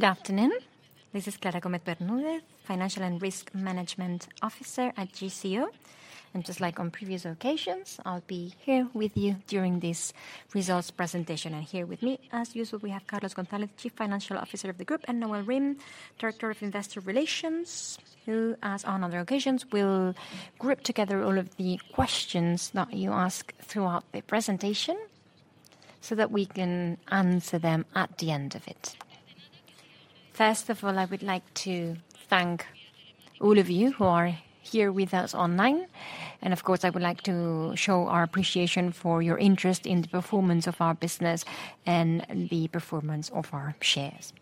Good afternoon. This is Clara Gómez, Financial and Risk Management Officer at GCO. Just like on previous occasions, I'll be here with you during this results presentation. Here with me, as usual, we have Carlos González, Chief Financial Officer of the group, and Nawal Rim, Director of Investor Relations, who, as on other occasions, will group together all of the questions that you ask throughout the presentation, so that we can answer them at the end of it. First of all, I would like to thank all of you who are here with us online, and of course, I would like to show our appreciation for your interest in the performance of our business and the performance of our shares.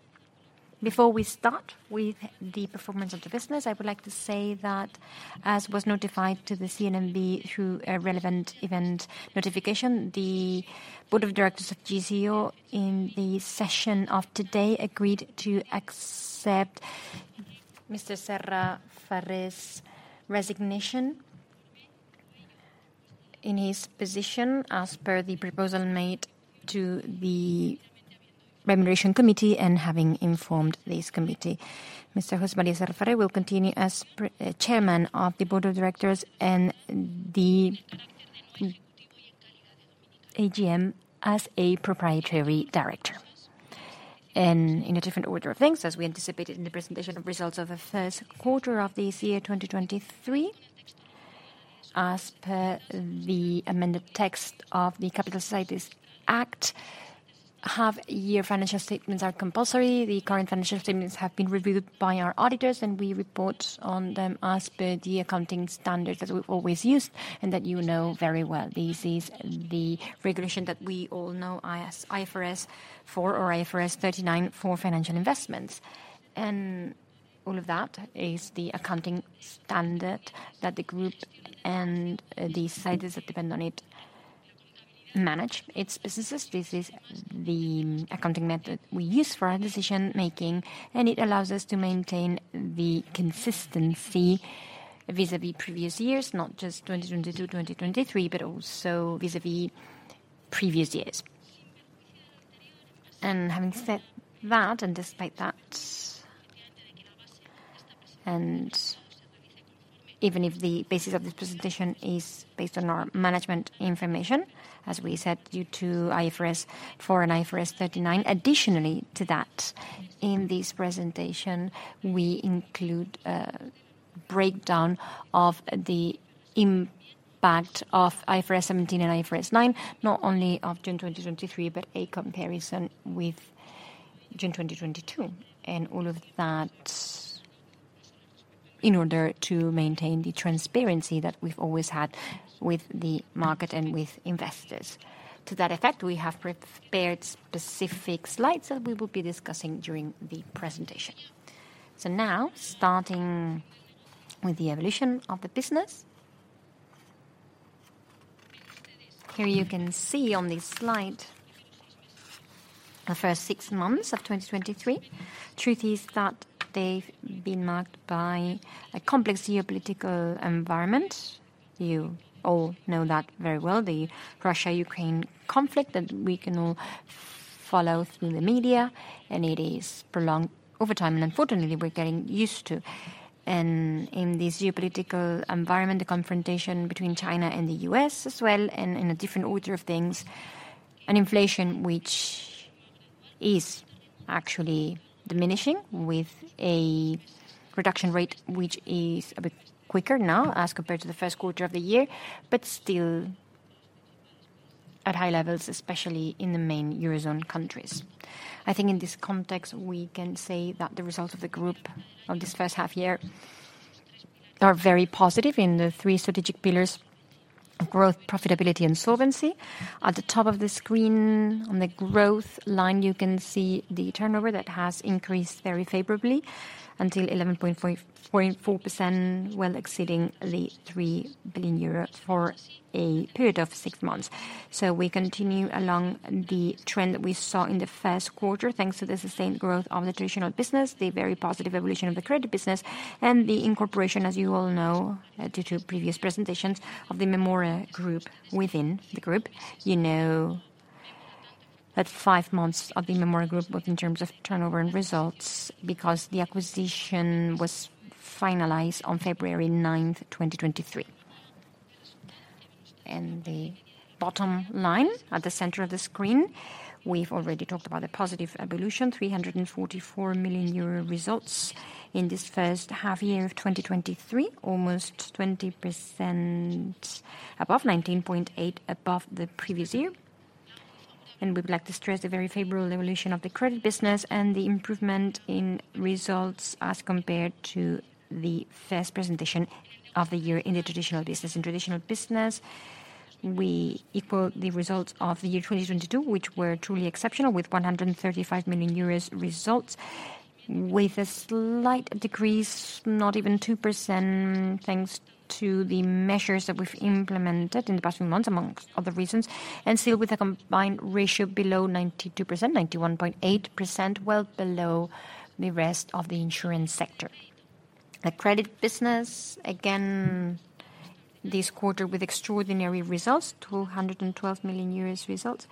Before we start with the performance of the business, I would like to say that, as was notified to the CNMV through a relevant event notification, the Board of Directors of GCO, in the session of today, agreed to accept Mr. Serra Farré's resignation in his position as per the proposal made to the Remuneration Committee, and having informed this committee. Mr. José María Serra Farré will continue as chairman of the Board of Directors and the AGM as a proprietary director. In a different order of things, as we anticipated in the presentation of results of the first quarter of this year, 2023, as per the amended text of the Capital Companies Act, half-year financial statements are compulsory. The current financial statements have been reviewed by our auditors. We report on them as per the accounting standards that we've always used, and that you know very well. This is the regulation that we all know, IFRS 4 or IFRS 39 for financial investments. All of that is the accounting standard that the group and the societies that depend on it manage its businesses. This is the accounting method we use for our decision making, and it allows us to maintain the consistency vis-à-vis previous years, not just 2022, 2023, but also vis-à-vis previous years. Having said that, and despite that, and even if the basis of this presentation is based on our management information, as we said, due to IFRS 4 and IAS 39, additionally to that, in this presentation, we include a breakdown of the impact of IFRS 17 and IFRS 9, not only of June 2023, but a comparison with June 2022. All of that in order to maintain the transparency that we've always had with the market and with investors. To that effect, we have prepared specific slides that we will be discussing during the presentation. Now, starting with the evolution of the business. Here you can see on this slide, the first six months of 2023. Truth is that they've been marked by a complex geopolitical environment. You all know that very well, the Russia-Ukraine conflict, that we can all follow through the media, and it is prolonged over time, and unfortunately, we're getting used to. In this geopolitical environment, the confrontation between China and the U.S. as well, and in a different order of things, an inflation which is actually diminishing with a reduction rate, which is a bit quicker now as compared to the first quarter of the year, but still at high levels, especially in the main Eurozone countries. I think in this context, we can say that the results of the group of this first half year are very positive in the three strategic pillars: growth, profitability, and solvency. At the top of the screen, on the growth line, you can see the turnover that has increased very favorably until 11.4%, well exceeding 3 billion euros for a period of six months. We continue along the trend that we saw in the first quarter, thanks to the sustained growth of the traditional business, the very positive evolution of the credit business, and the incorporation, as you all know, due to previous presentations, of the Mémora Group within the group. You know that 5 months of the Mémora Group, both in terms of turnover and results, because the acquisition was finalized on February 9, 2023. The bottom line, at the center of the screen, we've already talked about the positive evolution, 344 million euro results in this first half year of 2023, almost 20% above, 19.8 above the previous year. We'd like to stress the very favorable evolution of the credit business and the improvement in results as compared to the first presentation of the year in the traditional business. In traditional business, we equal the results of the year 2022, which were truly exceptional, with 135 million euros results, with a slight decrease, not even 2%, thanks to the measures that we've implemented in the past few months, amongst other reasons, and still with a combined ratio below 92%, 91.8%, well below the rest of the insurance sector. Credit business, again. This quarter with extraordinary results, 212 million euros results,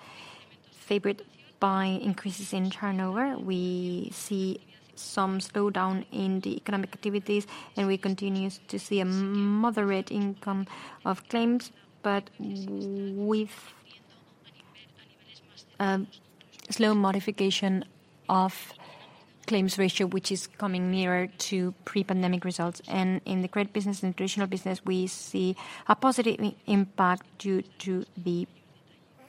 favored by increases in turnover. We see some slowdown in the economic activities, and we continue to see a moderate income of claims, but with slow modification of claims ratio, which is coming nearer to pre-pandemic results. In the credit business and traditional business, we see a positive impact due to the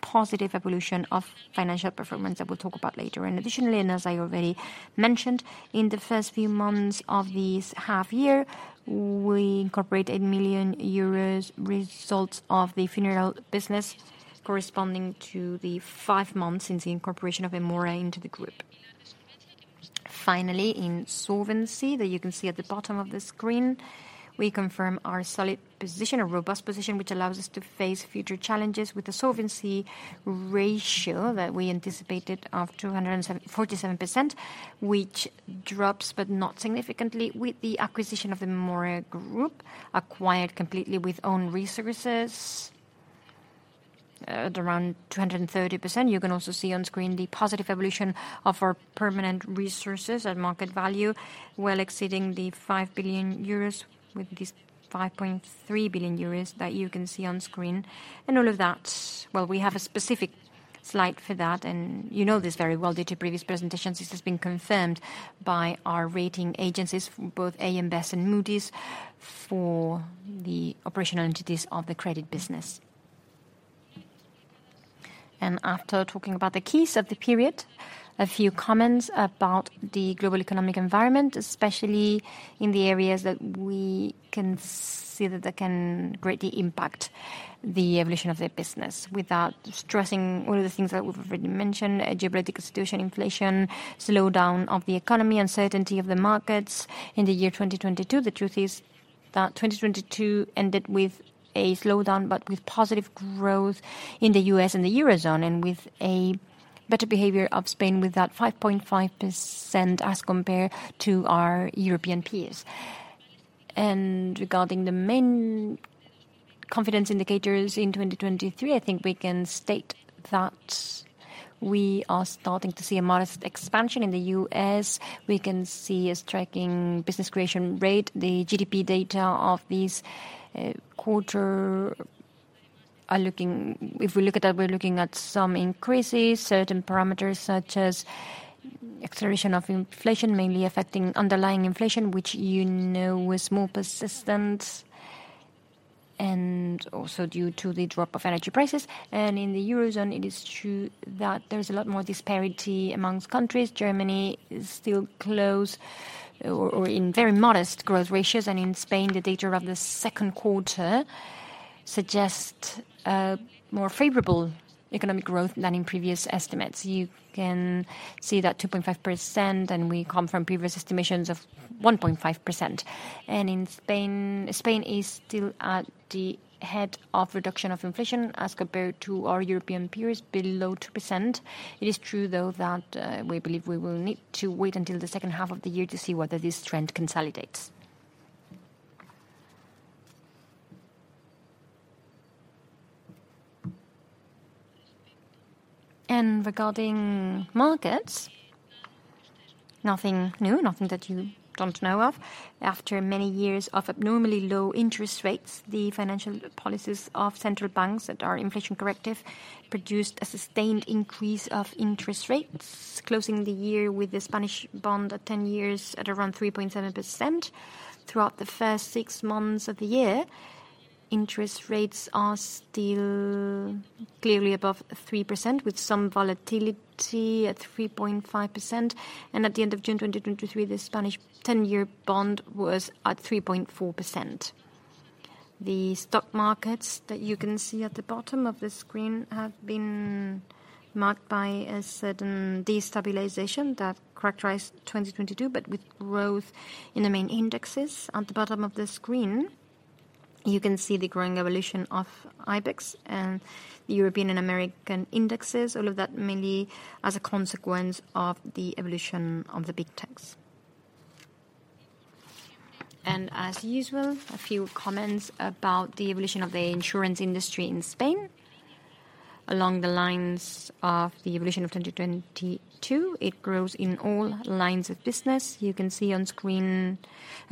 positive evolution of financial performance that we'll talk about later. Additionally, as I already mentioned, in the first few months of this half year, we incorporate 8 million euros results of the funeral business, corresponding to the five months since the incorporation of Mémora into the group. Finally, in solvency, that you can see at the bottom of the screen, we confirm our solid position, a robust position, which allows us to face future challenges with a solvency ratio that we anticipated of 247%, which drops, but not significantly, with the acquisition of the Mémora Group, acquired completely with own resources, at around 230%. You can also see on screen the positive evolution of our permanent resources at market value, well exceeding 5 billion euros, with this 5.3 billion euros that you can see on screen. All of that, well, we have a specific slide for that, and you know this very well due to previous presentations. This has been confirmed by our rating agencies, both AM Best and Moody's, for the operational entities of the credit business. After talking about the keys of the period, a few comments about the global economic environment, especially in the areas that we can see that they can greatly impact the evolution of the business. Without stressing all of the things that we've already mentioned, geopolitical situation, inflation, slowdown of the economy, uncertainty of the markets in the year 2022. The truth is that 2022 ended with a slowdown, but with positive growth in the U.S. and the Eurozone, and with a better behavior of Spain, with that 5.5% as compared to our European peers. Regarding the main confidence indicators in 2023, I think we can state that we are starting to see a modest expansion in the U.S.. We can see a striking business creation rate. The GDP data of this quarter are looking... If we look at that, we're looking at some increases, certain parameters, such as acceleration of inflation, mainly affecting underlying inflation, which you know is more persistent, and also due to the drop of energy prices. In the Eurozone, it is true that there's a lot more disparity amongst countries. Germany is still close or in very modest growth ratios, in Spain, the data of the second quarter suggest more favorable economic growth than in previous estimates. You can see that 2.5%, and we come from previous estimations of 1.5%. In Spain, Spain is still at the head of reduction of inflation as compared to our European peers, below 2%. It is true, though, that we believe we will need to wait until the second half of the year to see whether this trend consolidates. Regarding markets, nothing new, nothing that you don't know of. After many years of abnormally low interest rates, the financial policies of central banks that are inflation corrective, produced a sustained increase of interest rates, closing the year with the Spanish bond at 10 years at around 3.7%. Throughout the first six months of the year, interest rates are still clearly above 3%, with some volatility at 3.5%, and at the end of June 2023, the Spanish 10-year bond was at 3.4%. The stock markets that you can see at the bottom of the screen have been marked by a certain destabilization that characterized 2022, but with growth in the main indexes. At the bottom of the screen, you can see the growing evolution of IBEX and the European and American indexes, all of that mainly as a consequence of the evolution of the Big Techs. As usual, a few comments about the evolution of the insurance industry in Spain. Along the lines of the evolution of 2022, it grows in all lines of business. You can see on screen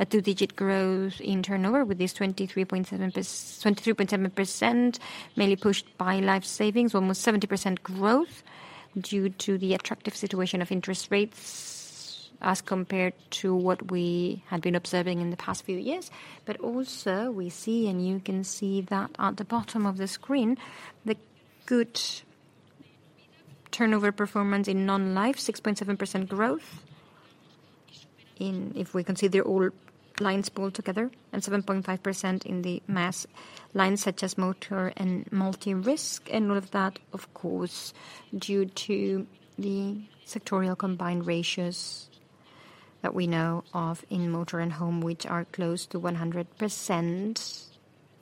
a two digit growth in turnover, with this 23.7%, mainly pushed by life savings, almost 70% growth, due to the attractive situation of interest rates as compared to what we had been observing in the past few years. Also, we see, and you can see that at the bottom of the screen, the good turnover performance in non-life, 6.7% growth in... If we consider all lines pulled together, 7.5% in the mass lines, such as motor and multi-risk. All of that, of course, due to the sectorial combined ratios that we know of in motor and home, which are close to 100%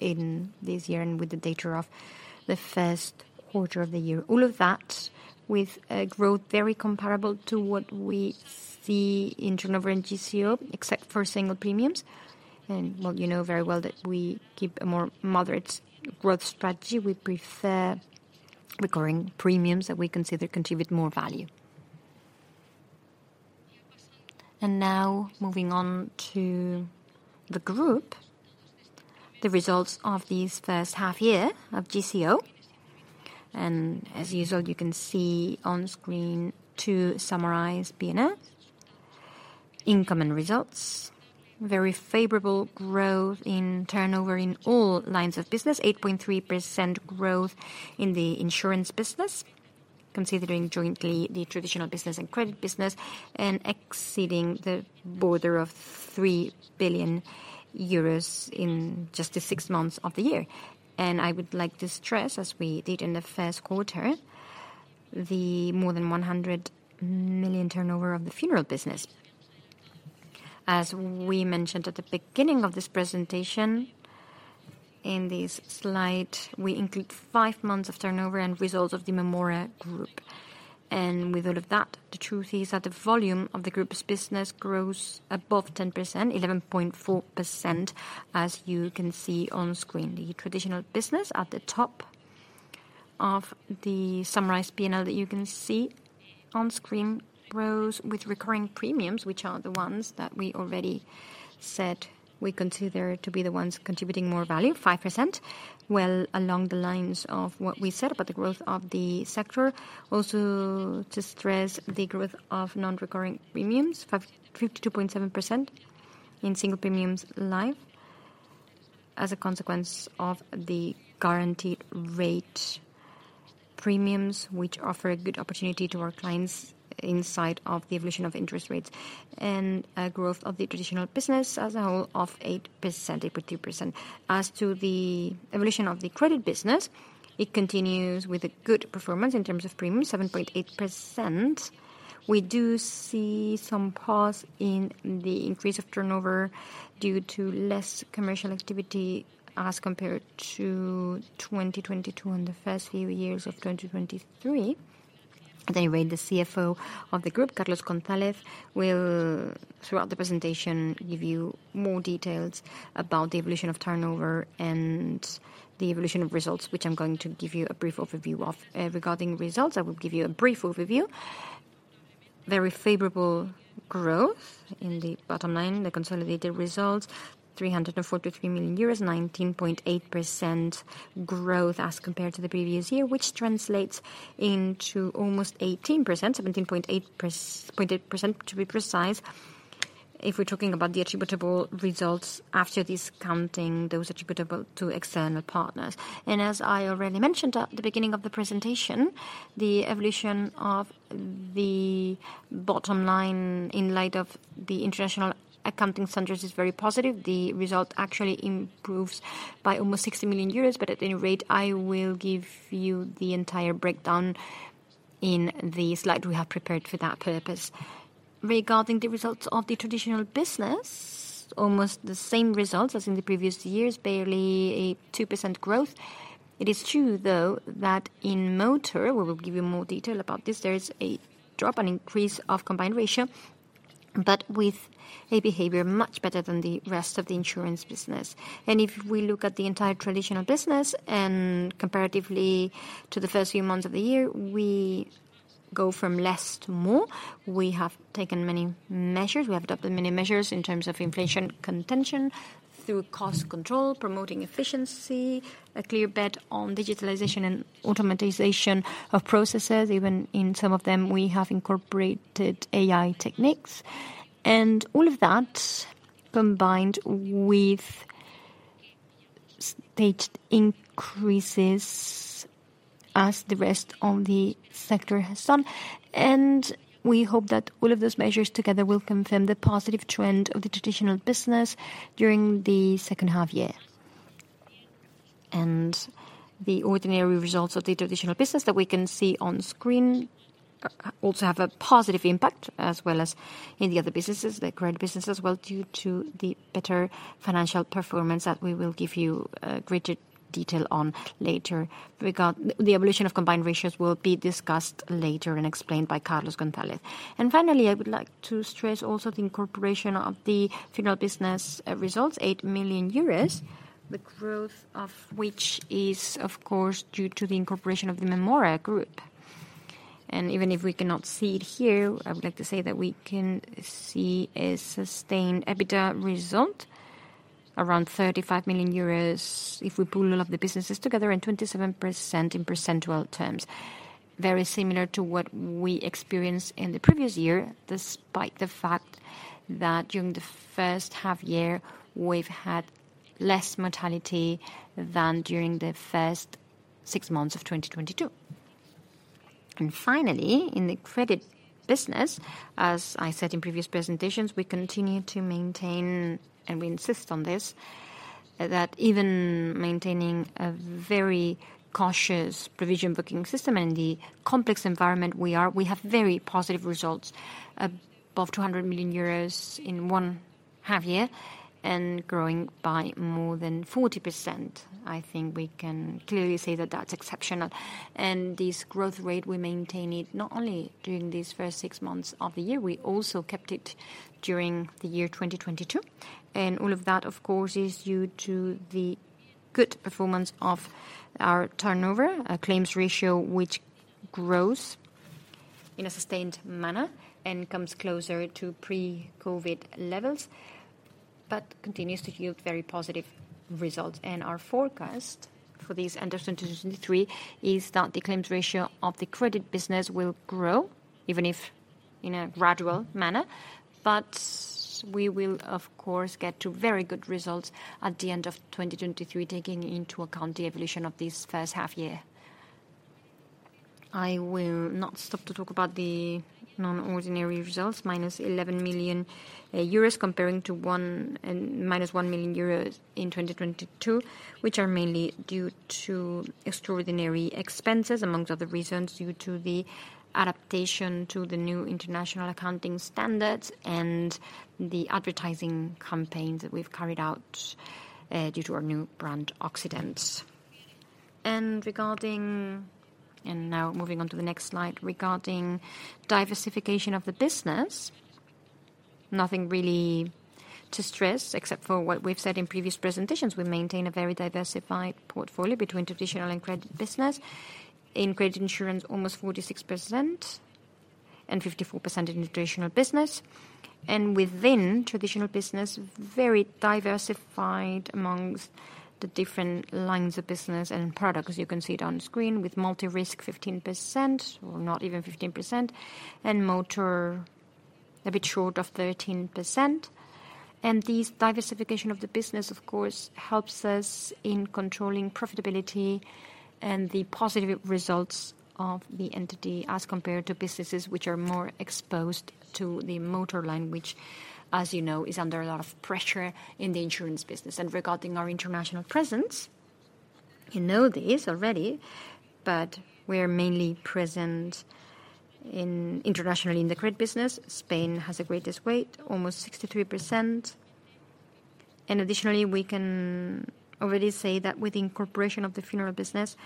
in this year and with the data of the first quarter of the year. All of that with a growth very comparable to what we see in turnover and GCO, except for single premiums. Well, you know very well that we keep a more moderate growth strategy. We prefer recurring premiums that we consider contribute more value. Now moving on to the group, the results of this first half year of GCO. As usual, you can see on screen to summarize P&L. Income and results, very favorable growth in turnover in all lines of business, 8.3% growth in the insurance business, considering jointly the traditional business and credit business, and exceeding the border of 3 billion euros in just the six months of the year. I would like to stress, as we did in the first quarter, the more than 100 million turnover of the funeral business. As we mentioned at the beginning of this presentation, in this slide, we include five months of turnover and results of the Mémora Group. With all of that, the truth is that the volume of the group's business grows above 10%, 11.4%, as you can see on screen. The traditional business at the top of the summarized P&L that you can see on screen grows with recurring premiums, which are the ones that we already said we consider to be the ones contributing more value, 5%. Well, along the lines of what we said about the growth of the sector. Also, to stress the growth of non-recurring premiums, 52.7% in single premiums live, as a consequence of the guaranteed rate premiums, which offer a good opportunity to our clients inside of the evolution of interest rates. Growth of the traditional business as a whole of 8%, 8.2%. As to the evolution of the credit business, it continues with a good performance in terms of premiums, 7.8%. We do see some pause in the increase of turnover due to less commercial activity as compared to 2022 and the first few years of 2023. The CFO of the Group, Carlos González, will, throughout the presentation, give you more details about the evolution of turnover and the evolution of results, which I'm going to give you a brief overview of. Regarding results, I will give you a brief overview. Very favorable growth in the bottom line, the consolidated results, 343 million euros, 19.8% growth as compared to the previous year, which translates into almost 18%, 17.8% to be precise, if we're talking about the attributable results after discounting those attributable to external partners. As I already mentioned at the beginning of the presentation, the evolution of the bottom line in light of the international accounting centers is very positive. The result actually improves by almost 60 million euros. At any rate, I will give you the entire breakdown in the slide we have prepared for that purpose. Regarding the results of the traditional business, almost the same results as in the previous years, barely a 2% growth. It is true, though, that in motor, we will give you more detail about this, there is a drop and increase of combined ratio, but with a behavior much better than the rest of the insurance business. If we look at the entire traditional business and comparatively to the first few months of the year, we go from less to more. We have taken many measures. We have adopted many measures in terms of inflation contention through cost control, promoting efficiency, a clear bet on digitalization and automatization of processes. Even in some of them, we have incorporated AI techniques. All of that, combined with staged increases as the rest of the sector has done, and we hope that all of those measures together will confirm the positive trend of the traditional business during the second half year. The ordinary results of the traditional business that we can see on screen, also have a positive impact, as well as in the other businesses, the current business as well, due to the better financial performance that we will give you greater detail on later. The evolution of combined ratios will be discussed later and explained by Carlos González. Finally, I would like to stress also the incorporation of the funeral business results, 8 million euros, the growth of which is, of course, due to the incorporation of the Mémora Group. Even if we cannot see it here, I would like to say that we can see a sustained EBITDA result, around 35 million euros, if we pull all of the businesses together, and 27% in percentile terms. Very similar to what we experienced in the previous year, despite the fact that during the first half year, we've had less mortality than during the first six months of 2022. Finally, in the credit business, as I said in previous presentations, we continue to maintain, and we insist on this, that even maintaining a very cautious provision booking system in the complex environment we are, we have very positive results, above 200 million euros in one half year and growing by more than 40%. I think we can clearly say that that's exceptional. This growth rate, we maintain it not only during these first six months of the year, we also kept it during the year 2022. All of that, of course, is due to the good performance of our turnover, a claims ratio which grows in a sustained manner and comes closer to pre-COVID levels, but continues to yield very positive results. Our forecast for these end of 2023 is that the claims ratio of the credit business will grow, even if in a gradual manner. We will, of course, get to very good results at the end of 2023, taking into account the evolution of this first half year. I will not stop to talk about the non-ordinary results, -11 million euros, comparing to 1 million, and -1 million euros in 2022, which are mainly due to extraordinary expenses, amongst other reasons, due to the adaptation to the new international accounting standards and the advertising campaigns that we've carried out, due to our new brand, Occident. Now moving on to the next slide. Regarding diversification of the business, nothing really to stress except for what we've said in previous presentations. We maintain a very diversified portfolio between traditional and credit business. In credit insurance, almost 46%, 54% in traditional business. Within traditional business, very diversified amongst the different lines of business and products, as you can see it on screen, with multi-risk 15%, or not even 15%, and motor a bit short of 13%. This diversification of the business, of course, helps us in controlling profitability and the positive results of the entity, as compared to businesses which are more exposed to the motor line, which, as you know, is under a lot of pressure in the insurance business. Regarding our international presence, you know this already, but we are mainly present in internationally in the credit business. Spain has the greatest weight, almost 63%. Additionally, we can already say that with the incorporation of the funeral business,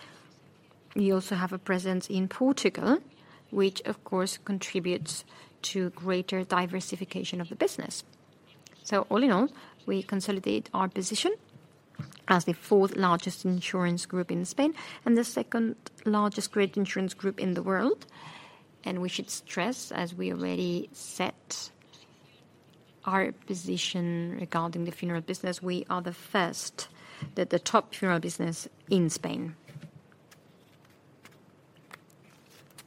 we also have a presence in Portugal, which of course contributes to greater diversification of the business. All in all, we consolidate our position as the fourth largest insurance group in Spain and the second largest credit insurance group in the world. We should stress, as we already set our position regarding the funeral business, we are the first, the top funeral business in Spain.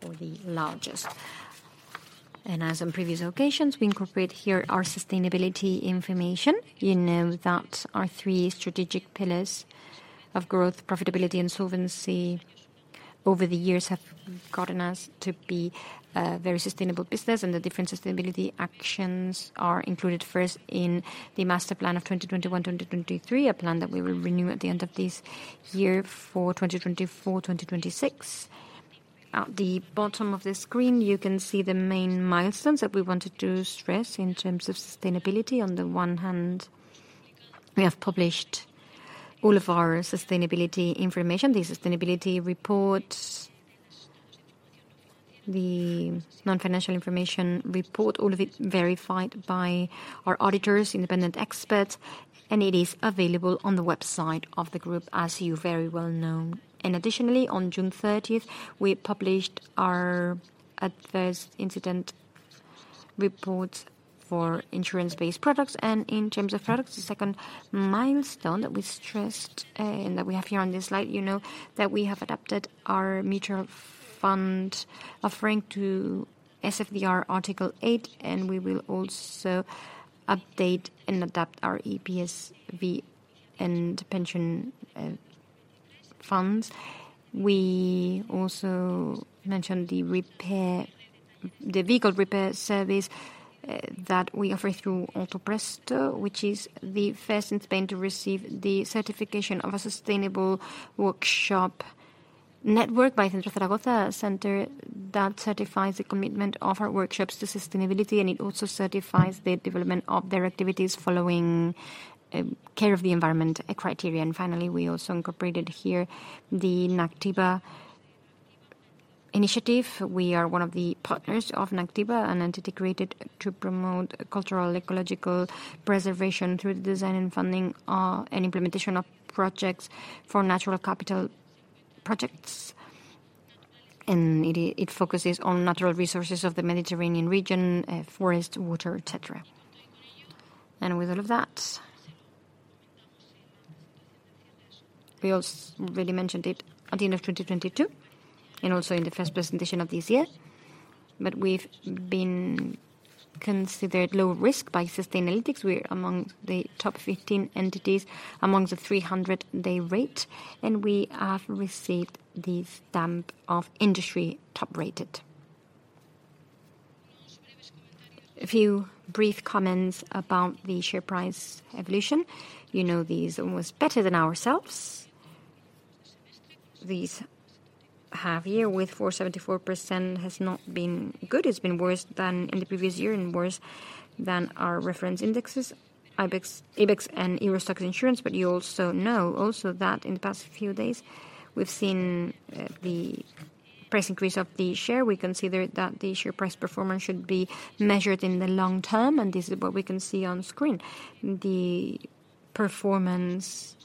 Or the largest. As in previous occasions, we incorporate here our sustainability information. You know that our three strategic pillars of growth, profitability, and solvency over the years have gotten us to be a very sustainable business, and the different sustainability actions are included first in the master plan of 2021 to 2023, a plan that we will renew at the end of this year for 2024, 2026. At the bottom of the screen, you can see the main milestones that we wanted to stress in terms of sustainability. On the one hand, we have published all of our sustainability information, the sustainability reports, the non-financial information report, all of it verified by our auditors, independent experts, and it is available on the website of the group, as you very well know. Additionally, on June 30th, we published our adverse incident reports for insurance-based products. In terms of products, the second milestone that we stressed, and that we have here on this slide, you know that we have adapted our mutual fund offering to SFDR Article 8, and we will also update and adapt our EPSV and pension funds. We also mentioned the repair, the vehicle repair service that we offer through AutoPresto, which is the first in Spain to receive the certification of a sustainable workshop network by Centro Zaragoza. Certifies the commitment of our workshops to sustainability, and it also certifies the development of their activities following care of the environment criteria. Finally, we also incorporated here the Nactiva initiative. We are one of the partners of Nactiva, an entity created to promote cultural ecological preservation through the design and funding and implementation of projects for natural capital projects. It focuses on natural resources of the Mediterranean region, forest, water, et cetera. With all of that, we also already mentioned it at the end of 2022, and also in the first presentation of this year. We've been considered low risk by Sustainalytics. We're among the top 15 entities among the 300 they rate, and we have received the stamp of industry top-rated. A few brief comments about the share price evolution. You know these almost better than ourselves. This half year, with 4.74%, has not been good. It's been worse than in the previous year and worse than our reference indexes, IBEX, IBEX and EURO STOXX Insurance. You also know that in the past few days, we've seen the price increase of the share. We consider that the share price performance should be measured in the long term. This is what we can see on screen. The performance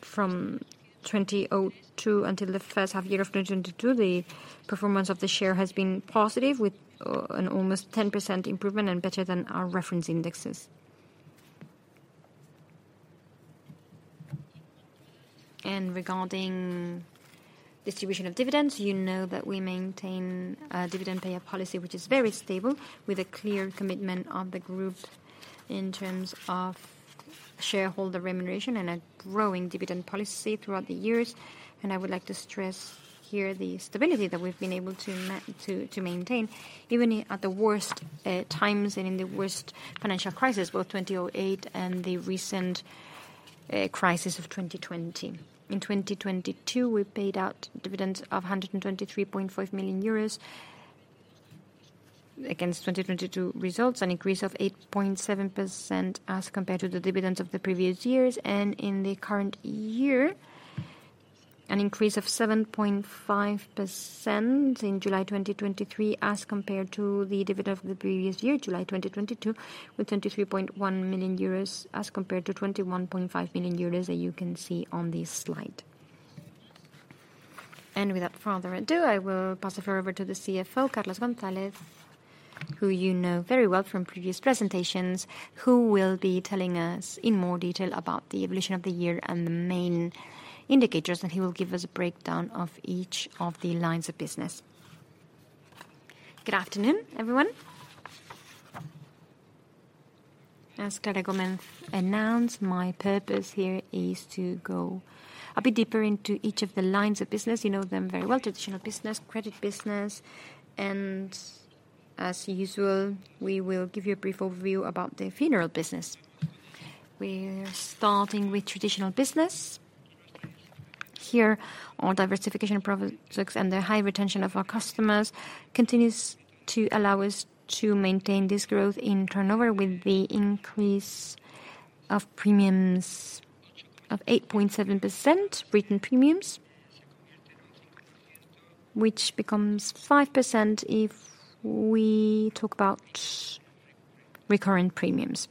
from 2002 until the first half year of 2022, the performance of the share has been positive, with an almost 10% improvement and better than our reference indexes. Regarding distribution of dividends, you know that we maintain a dividend payout policy which is very stable, with a clear commitment of the group in terms of shareholder remuneration and a growing dividend policy throughout the years. I would like to stress here the stability that we've been able to maintain, even in, at the worst times and in the worst financial crisis, both 2008 and the recent crisis of 2020. In 2022, we paid out dividends of 123.5 million euros, against 2022 results, an increase of 8.7% as compared to the dividends of the previous years. In the current year, an increase of 7.5% in July 2023, as compared to the dividend of the previous year, July 2022, with 23.1 million euros, as compared to 21.5 million euros, as you can see on this slide. Without further ado, I will pass it over to the CFO, Carlos González, who you know very well from previous presentations, who will be telling us in more detail about the evolution of the year and the main indicators, and he will give us a breakdown of each of the lines of business. Good afternoon, everyone. As Clara Gómez announced, my purpose here is to go a bit deeper into each of the lines of business. You know them very well, traditional business, credit business, and as usual, we will give you a brief overview about the funeral business. We're starting with traditional business. Here, our diversification products and the high retention of our customers continues to allow us to maintain this growth in turnover, with the increase of premiums of 8.7%, written premiums, which becomes 5% if we talk about recurring premiums.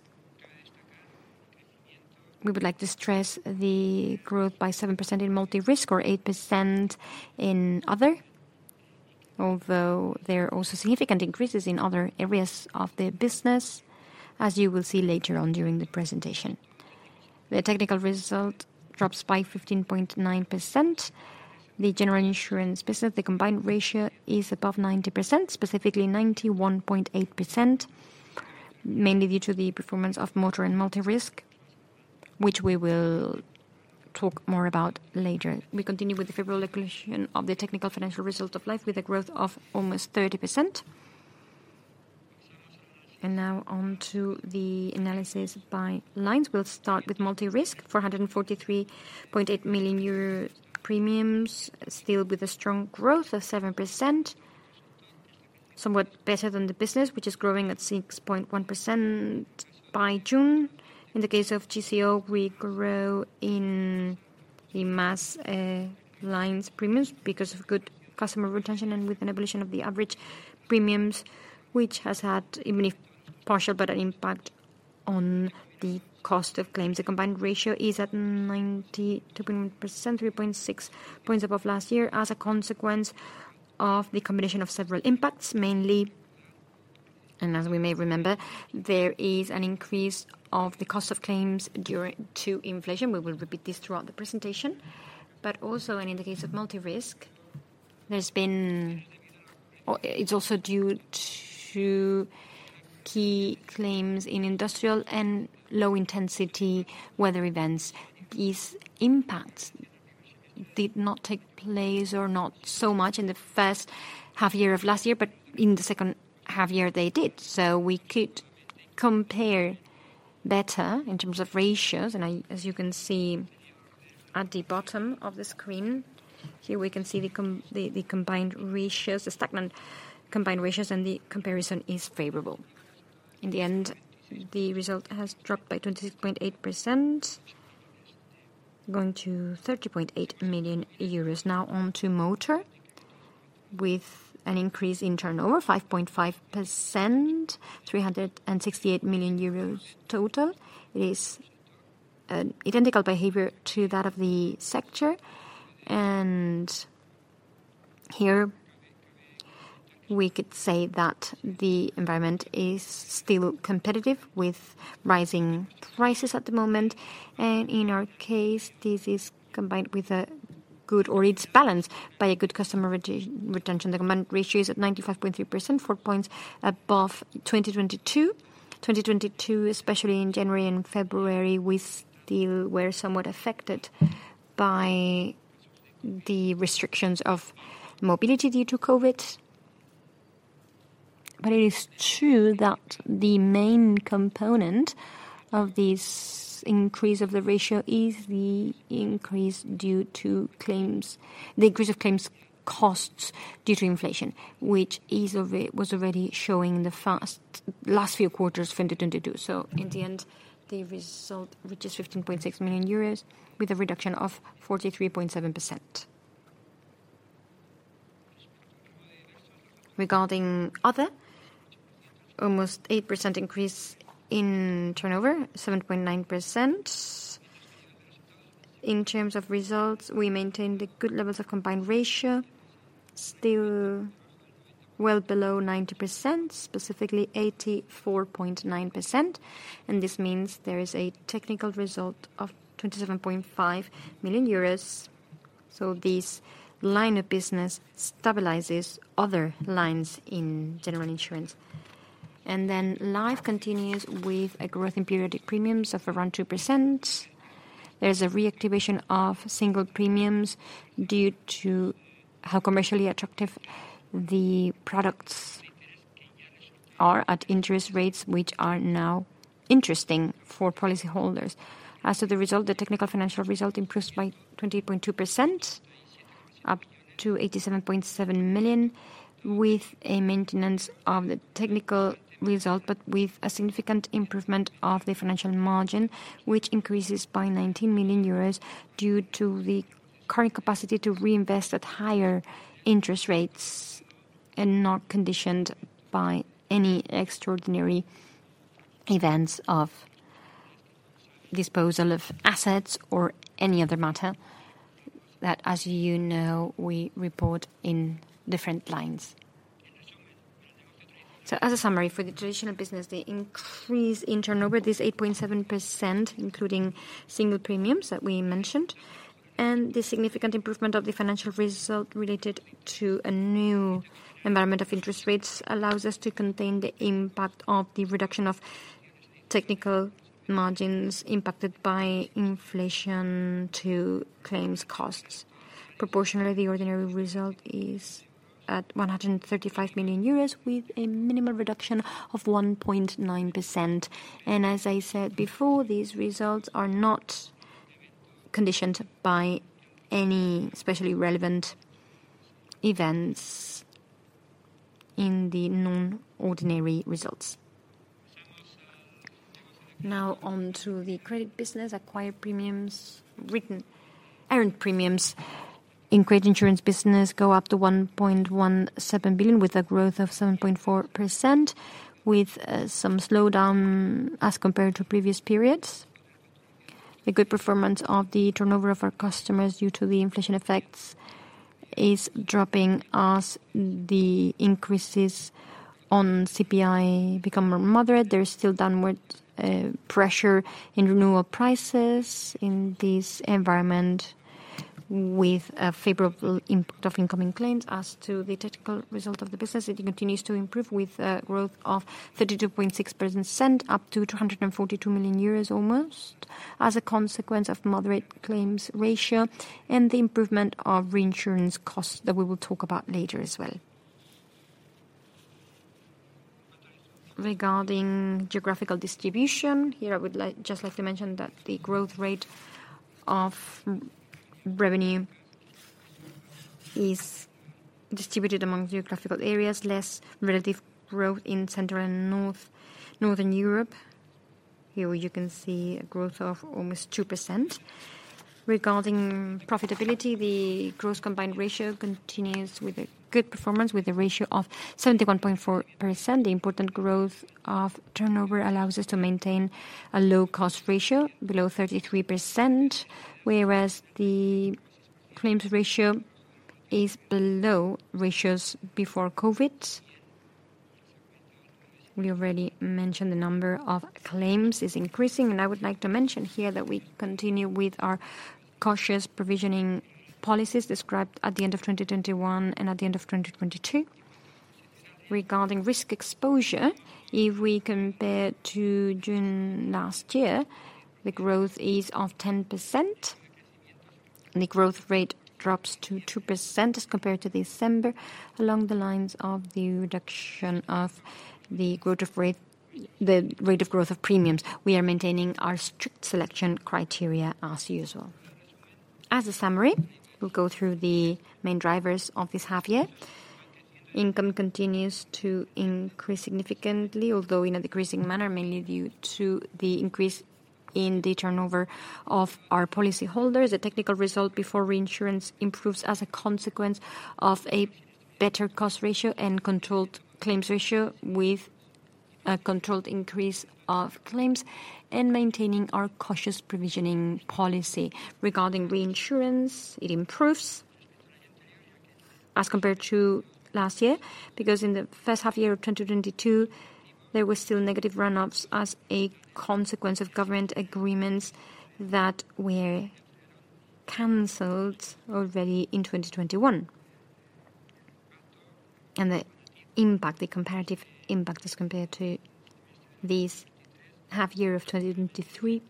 We would like to stress the growth by 7% in multi-risk or 8% in other, although there are also significant increases in other areas of the business, as you will see later on during the presentation. The technical result drops by 15.9%. The general insurance business, the combined ratio is above 90%, specifically 91.8%, mainly due to the performance of motor and multi-risk, which we will talk more about later. We continue with the favorable evolution of the technical financial result of life, with a growth of almost 30%. Now on to the analysis by lines. We'll start with multi-risk, 443.8 million euro premiums, still with a strong growth of 7%, somewhat better than the business, which is growing at 6.1% by June. In the case of GCO, we grow in the mass lines premiums because of good customer retention and with an evolution of the average premiums, which has had even if partial, but an impact on the cost of claims. The combined ratio is at 92%, 3.6 points above last year, as a consequence of the combination of several impacts. Mainly, as we may remember, there is an increase of the cost of claims to inflation. We will repeat this throughout the presentation. Also, in the case of multi-risk, there's been, it's also due to key claims in industrial and low-intensity weather events. These impacts did not take place, or not so much in the first half year of last year, but in the second half year they did. We could compare better in terms of ratios, as you can see at the bottom of the screen, here, we can see the combined ratios, the stagnant combined ratios, and the comparison is favorable. In the end, the result has dropped by 26.8%, going to 30.8 million euros. On to motor, with an increase in turnover, 5.5%, 368 million euros total. It is an identical behavior to that of the sector, here we could say that the environment is still competitive, with rising prices at the moment. In our case, this is combined with a good or it's balanced by a good customer retention. The combined ratio is at 95.3%, four points above 2022. 2022, especially in January and February, we still were somewhat affected by the restrictions of mobility due to COVID. It is true that the main component of this increase of the ratio is the increase due to claims costs due to inflation, which was already showing in the last few quarters of 2022. In the end, the result, which is 15.6 million euros, with a reduction of 43.7%. Regarding other, almost 8% increase in turnover, 7.9%. In terms of results, we maintained the good levels of combined ratio, still well below 90%, specifically 84.9%, and this means there is a technical result of 27.5 million euros. This line of business stabilizes other lines in general insurance. Life continues with a growth in periodic premiums of around 2%. There's a reactivation of single premiums due to how commercially attractive the products are at interest rates, which are now interesting for policyholders. As to the result, the technical financial result improves by 20.2%, up to 87.7 million, with a maintenance of the technical result, but with a significant improvement of the financial margin, which increases by 19 million euros due to the current capacity to reinvest at higher interest rates, and not conditioned by any extraordinary events of disposal of assets or any other matter, that, as you know, we report in different lines. As a summary for the traditional business, the increase in turnover is 8.7%, including single premiums that we mentioned, and the significant improvement of the financial result related to a new environment of interest rates allows us to contain the impact of the reduction of technical margins impacted by inflation to claims costs. Proportionally, the ordinary result is at 135 million euros, with a minimum reduction of 1.9%. As I said before, these results are not conditioned by any especially relevant events in the non-ordinary results. Now on to the credit business. Acquired premiums, earned premiums in credit insurance business go up to 1.17 billion, with a growth of 7.4%, with some slowdown as compared to previous periods. A good performance of the turnover of our customers due to the inflation effects is dropping as the increases on CPI become more moderate. There is still downward pressure in renewal prices in this environment, with a favorable impact of incoming claims. As to the technical result of the business, it continues to improve, with a growth of 32.6%, up to 242 million euros almost, as a consequence of moderate claims ratio and the improvement of reinsurance costs, that we will talk about later as well. Regarding geographical distribution, here I would like, just like to mention that the growth rate of revenue is distributed among geographical areas, less relative growth in Central and North, Northern Europe. Here you can see a growth of almost 2%. Regarding profitability, the gross combined ratio continues with a good performance, with a ratio of 71.4%. The important growth of turnover allows us to maintain a low cost ratio below 33%, whereas the claims ratio is below ratios before COVID. We already mentioned the number of claims is increasing, and I would like to mention here that we continue with our cautious provisioning policies described at the end of 2021 and at the end of 2022. Regarding risk exposure, if we compare to June last year, the growth is of 10%. The growth rate drops to 2% as compared to December, along the lines of the reduction of the growth of rate, the rate of growth of premiums. We are maintaining our strict selection criteria as usual. As a summary, we'll go through the main drivers of this half year. Income continues to increase significantly, although in a decreasing manner, mainly due to the increase in the turnover of our policyholders. The technical result before reinsurance improves as a consequence of a better cost ratio and controlled claims ratio, with a controlled increase of claims and maintaining our cautious provisioning policy. Regarding reinsurance, it improves as compared to last year, because in the first half year of 2022, there were still negative run-offs as a consequence of government agreements that were canceled already in 2021. The impact, the comparative impact, as compared to this half year of 2023,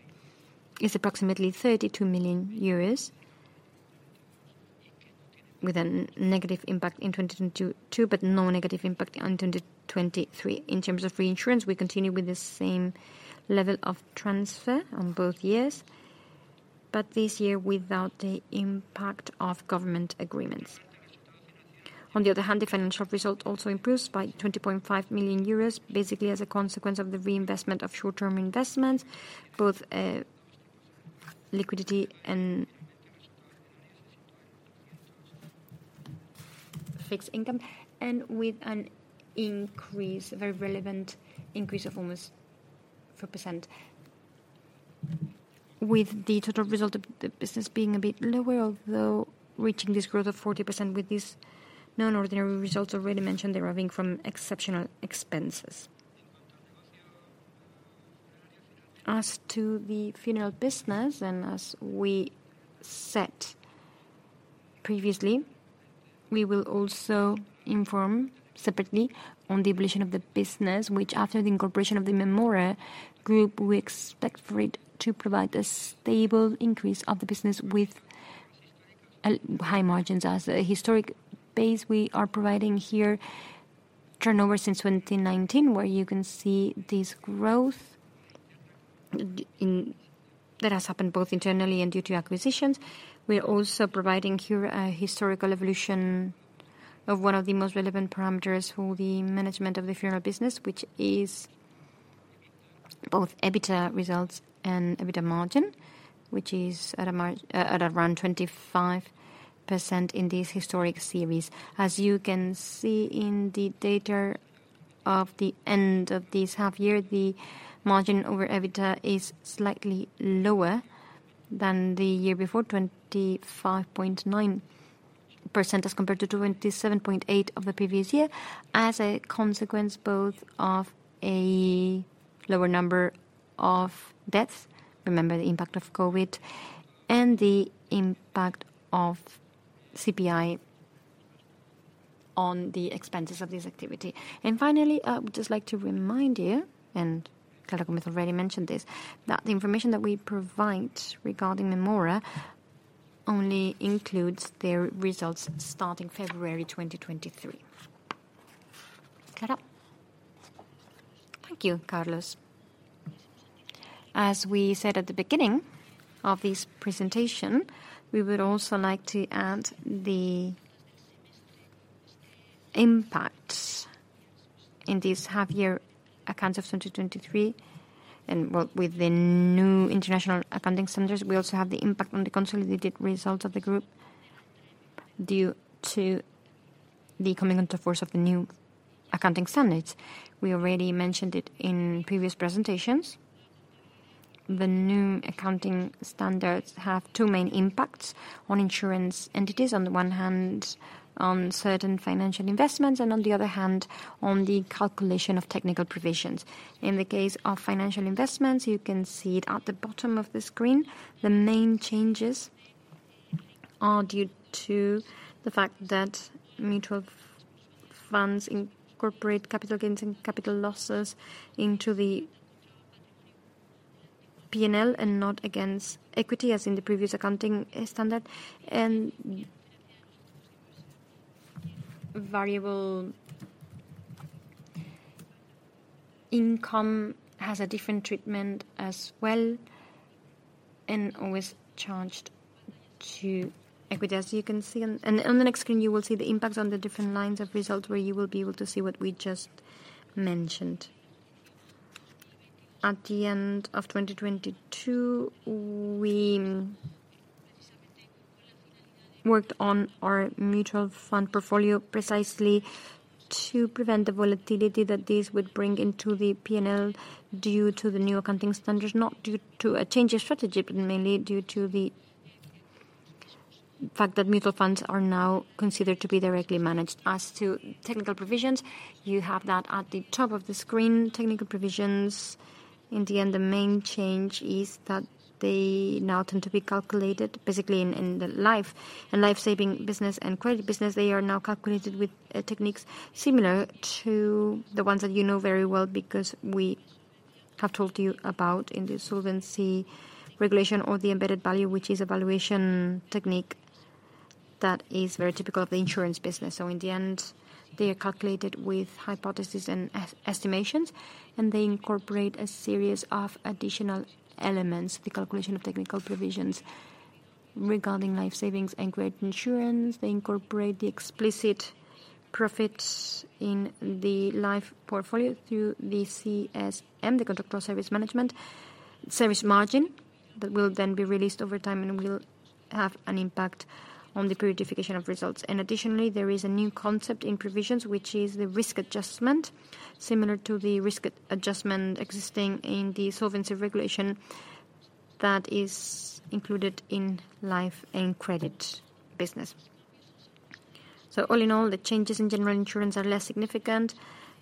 is approximately 32 million euros, with a negative impact in 2022, but no negative impact on 2023. In terms of reinsurance, we continue with the same level of transfer on both years, but this year without the impact of government agreements. On the other hand, the financial result also improves by 20.5 million euros, basically as a consequence of the reinvestment of short-term investments, both liquidity and fixed income, and with an increase, a very relevant increase of almost 4%. With the total result of the business being a bit lower, although reaching this growth of 40% with these non-ordinary results already mentioned, deriving from exceptional expenses. As to the funeral business, as we said previously, we will also inform separately on the evolution of the business, which after the incorporation of the Mémora Group, we expect for it to provide a stable increase of the business with high margins. As a historic base, we are providing here turnover since 2019, where you can see this growth that has happened both internally and due to acquisitions. We are also providing here a historical evolution of one of the most relevant parameters for the management of the funeral business, which is both EBITDA results and EBITDA margin, which is at around 25% in this historic series. As you can see in the data of the end of this half year, the margin over EBITDA is slightly lower than the year before, 25.9%, as compared to 27.8% of the previous year. As a consequence, both of a lower number of deaths, remember the impact of COVID, and the impact of CPI on the expenses of this activity. Finally, I would just like to remind you, Clara Gómez already mentioned this, that the information that we provide regarding Mémora only includes their results starting February 2023. Clara? Thank you, Carlos. As we said at the beginning of this presentation, we would also like to add the impacts in these half-year accounts of 2023. Well, with the new International Accounting Standards, we also have the impact on the consolidated results of the group due to the coming into force of the new accounting standards. We already mentioned it in previous presentations. The new accounting standards have two main impacts on insurance entities. On the one hand, on certain financial investments. On the other hand, on the calculation of technical provisions. In the case of financial investments, you can see it at the bottom of the screen. The main changes are due to the fact that mutual funds incorporate capital gains and capital losses into the P&L, and not against equity, as in the previous accounting standard. variable income has a different treatment as well, and always charged to equity, as you can see. On the next screen, you will see the impacts on the different lines of results, where you will be able to see what we just mentioned. At the end of 2022, we worked on our mutual fund portfolio precisely to prevent the volatility that this would bring into the P&L, due to the new accounting standards, not due to a change in strategy, but mainly due to the fact that mutual funds are now considered to be directly managed. As to technical provisions, you have that at the top of the screen. Technical provisions, in the end, the main change is that they now tend to be calculated, basically in life-saving business and credit business, they are now calculated with techniques similar to the ones that you know very well, because we have told you about in the solvency regulation or the Embedded Value, which is a valuation technique that is very typical of the insurance business. In the end, they are calculated with hypothesis and estimations, and they incorporate a series of additional elements, the calculation of technical provisions regarding life savings and credit insurance. They incorporate the explicit profits in the life portfolio through the CSM, the Conduct or Service Management, service margin, that will then be released over time and will have an impact on the gratification of results. Additionally, there is a new concept in provisions, which is the risk adjustment, similar to the risk adjustment existing in the solvency regulation that is included in life and credit business. All in all, the changes in general insurance are less significant.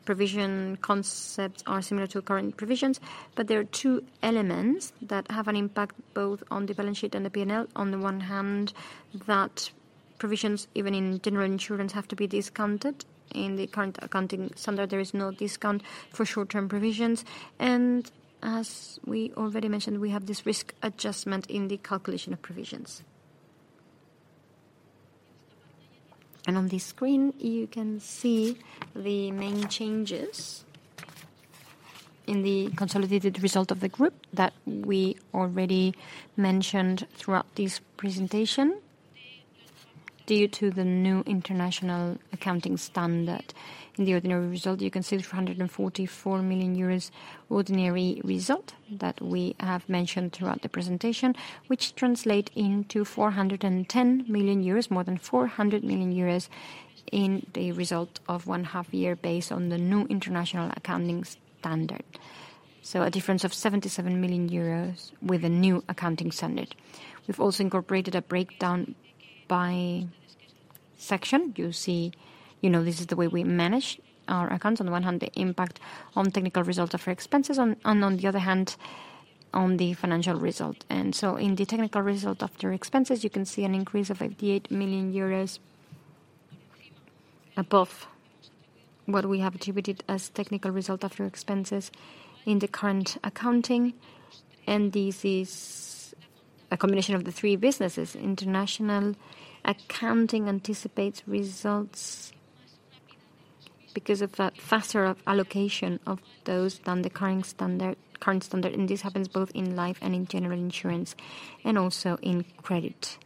Provision concepts are similar to current provisions. There are two elements that have an impact both on the balance sheet and the P&L. On the one hand, that provisions, even in general insurance, have to be discounted. In the current accounting standard, there is no discount for short-term provisions. As we already mentioned, we have this risk adjustment in the calculation of provisions. On this screen, you can see the main changes in the consolidated result of the group that we already mentioned throughout this presentation due to the new international accounting standard. In the ordinary result, you can see 344 million euros ordinary result that we have mentioned throughout the presentation, which translate into 410 million euros, more than 400 million euros in the result of one half year, based on the new international accounting standard. A difference of 77 million euros with a new accounting standard. We've also incorporated a breakdown by section. You see, you know, this is the way we manage our accounts. On the one hand, the impact on technical results of our expenses, on the other hand, on the financial result. In the technical result after expenses, you can see an increase of 88 million euros above what we have attributed as technical result after expenses in the current accounting. This is a combination of the three businesses. International accounting anticipates results because of the faster of allocation of those than the current standard, and this happens both in life and in general insurance, and also in credit.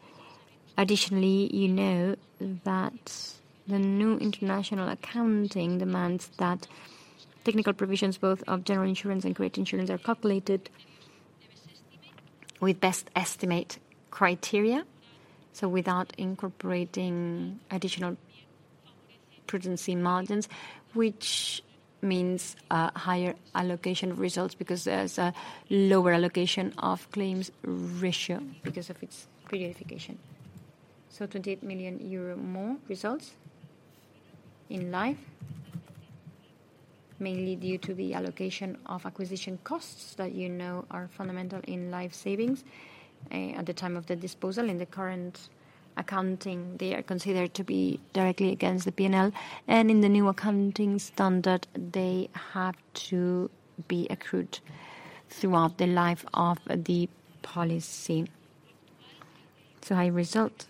Additionally, you know that the new international accounting demands that technical provisions, both of general insurance and credit insurance, are calculated with best estimate criteria, so without incorporating additional prudency margins, which means higher allocation of results because there's a lower allocation of claims ratio because of its pre-identification. 28 million euro more results in life, mainly due to the allocation of acquisition costs that you know are fundamental in life savings. At the time of the disposal, in the current accounting, they are considered to be directly against the P&L, and in the new accounting standard, they have to be accrued throughout the life of the policy. High result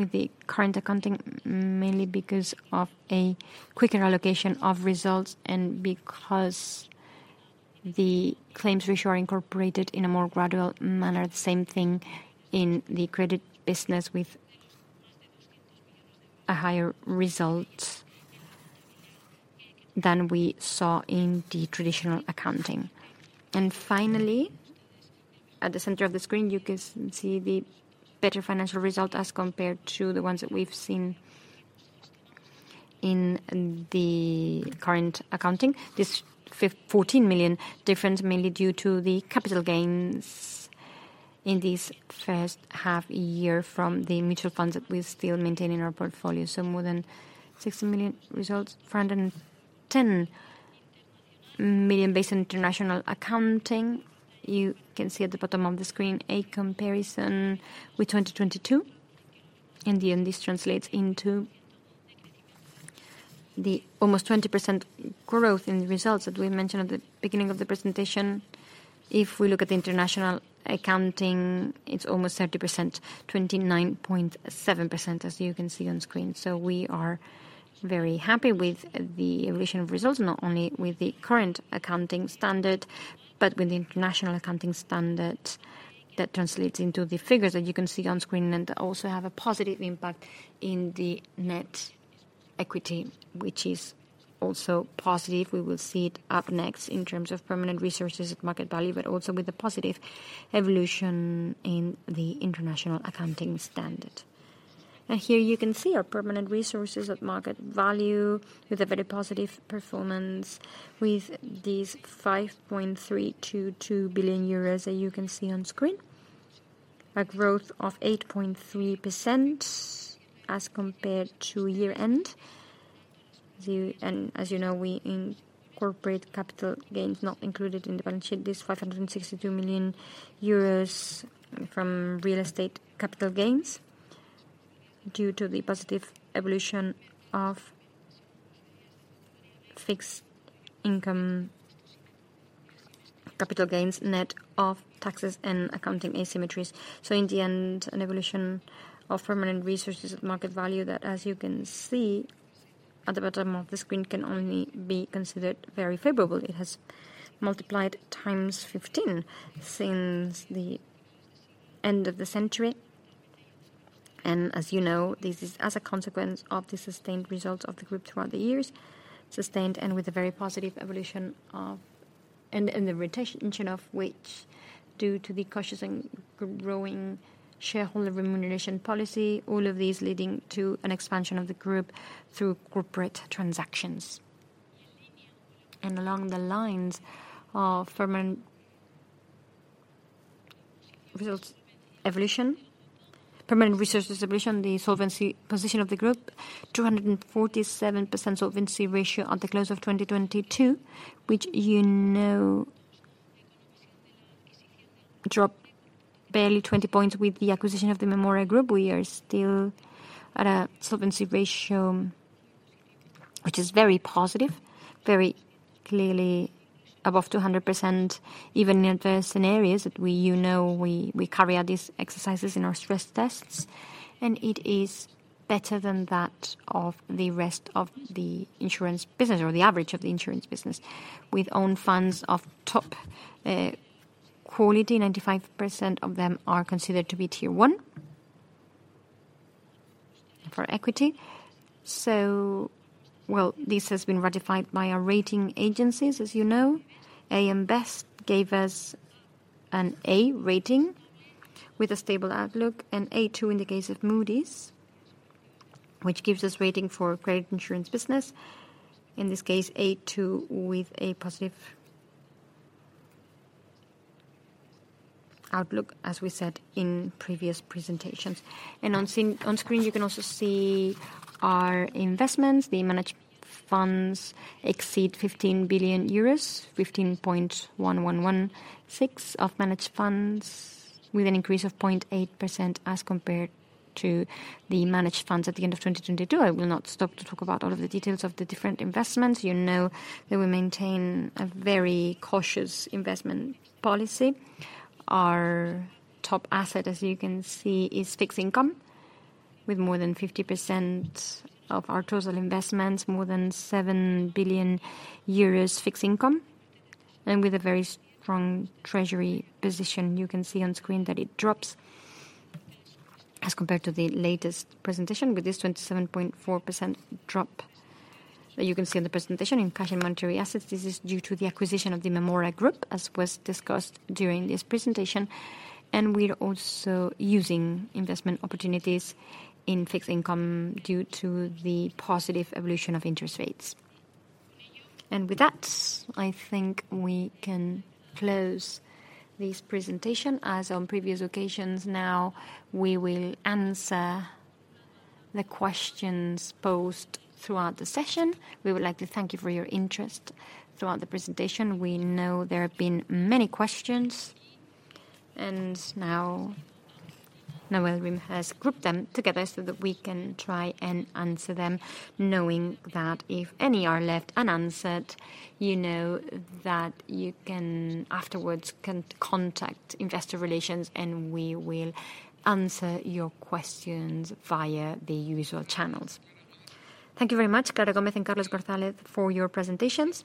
with the current accounting, mainly because of a quicker allocation of results and because the claims ratio are incorporated in a more gradual manner. The same thing in the credit business, with a higher result than we saw in the traditional accounting. Finally, at the center of the screen, you can see the better financial result as compared to the ones that we've seen in the current accounting. This 14 million difference, mainly due to the capital gains in this first half year from the mutual funds that we still maintain in our portfolio. More than 60 million results, 410 million, based on international accounting. You can see at the bottom of the screen a comparison with 2022, and then this translates into the almost 20% growth in the results that we mentioned at the beginning of the presentation. If we look at the international accounting, it's almost 30%, 29.7%, as you can see on screen. We are very happy with the evolution of results, not only with the current accounting standard, but with the international accounting standard. That translates into the figures that you can see on screen, and also have a positive impact in the net equity, which is also positive. We will see it up next in terms of permanent resources at market value, but also with a positive evolution in the international accounting standard. Here you can see our permanent resources at market value, with a very positive performance, with these 5.322 billion euros that you can see on screen. A growth of 8.3% as compared to year end. As you know, we incorporate capital gains not included in the balance sheet. This 562 million euros from real estate capital gains, due to the positive evolution of fixed income capital gains, net of taxes and accounting asymmetries. In the end, an evolution of permanent resources at market value, that, as you can see at the bottom of the screen, can only be considered very favorable. It has multiplied 15 times since the end of the century. As you know, this is as a consequence of the sustained results of the group throughout the years, sustained and with a very positive evolution of... The rotation engine of which, due to the cautious and growing shareholder remuneration policy, all of these leading to an expansion of the group through corporate transactions. Along the lines of permanent results evolution, permanent resources evolution, the solvency position of the group, 247% solvency ratio at the close of 2022, which you know, dropped barely 20 points with the acquisition of the Mémora Group. We are still at a solvency ratio which is very positive, very clearly above 200%, even in adverse scenarios that we, you know, we carry out these exercises in our stress tests. It is better than that of the rest of the insurance business or the average of the insurance business, with own funds of top quality, 95% of them are considered to be Tier 1 for equity. Well, this has been ratified by our rating agencies, as you know. AM Best gave us an A rating with a stable outlook, and A2 in the case of Moody's, which gives us rating for credit insurance business, in this case, A2 with a positive outlook, as we said in previous presentations. On screen, you can also see our investments. The managed funds exceed 15 billion euros, 15.1116 billion of managed funds, with an increase of 0.8% as compared to the managed funds at the end of 2022. I will not stop to talk about all of the details of the different investments. You know that we maintain a very cautious investment policy. Our top asset, as you can see, is fixed income, with more than 50% of our total investments, more than 7 billion euros fixed income, and with a very strong treasury position. You can see on screen that it drops as compared to the latest presentation, with this 27.4% drop that you can see on the presentation. In cash and monetary assets, this is due to the acquisition of the Mémora Group, as was discussed during this presentation. We're also using investment opportunities in fixed income due to the positive evolution of interest rates. With that, I think we can close this presentation. As on previous occasions, now we will answer the questions posed throughout the session. We would like to thank you for your interest throughout the presentation. We know there have been many questions. Nawal Rim has grouped them together so that we can try and answer them, knowing that if any are left unanswered, you know that you can afterwards contact investor relations, and we will answer your questions via the usual channels. Thank you very much, Clara Gómez and Carlos González, for your presentations.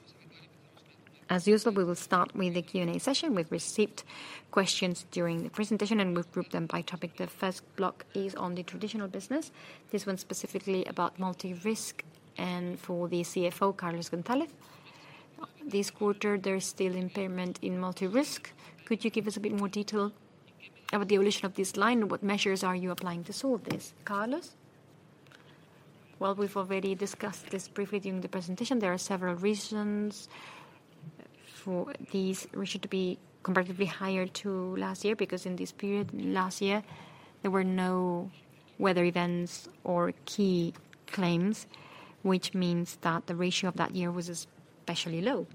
As usual, we will start with the Q&A session. We've received questions during the presentation. We've grouped them by topic. The first block is on the traditional business, this one specifically about multi-risk and for the CFO, Carlos González. This quarter, there is still impairment in multi-risk. Could you give us a bit more detail about the evolution of this line? What measures are you applying to solve this? Carlos? We've already discussed this briefly during the presentation. There are several reasons for this, which should be comparatively higher to last year, because in this period last year, there were no weather events or key claims, which means that the ratio of that year was especially low.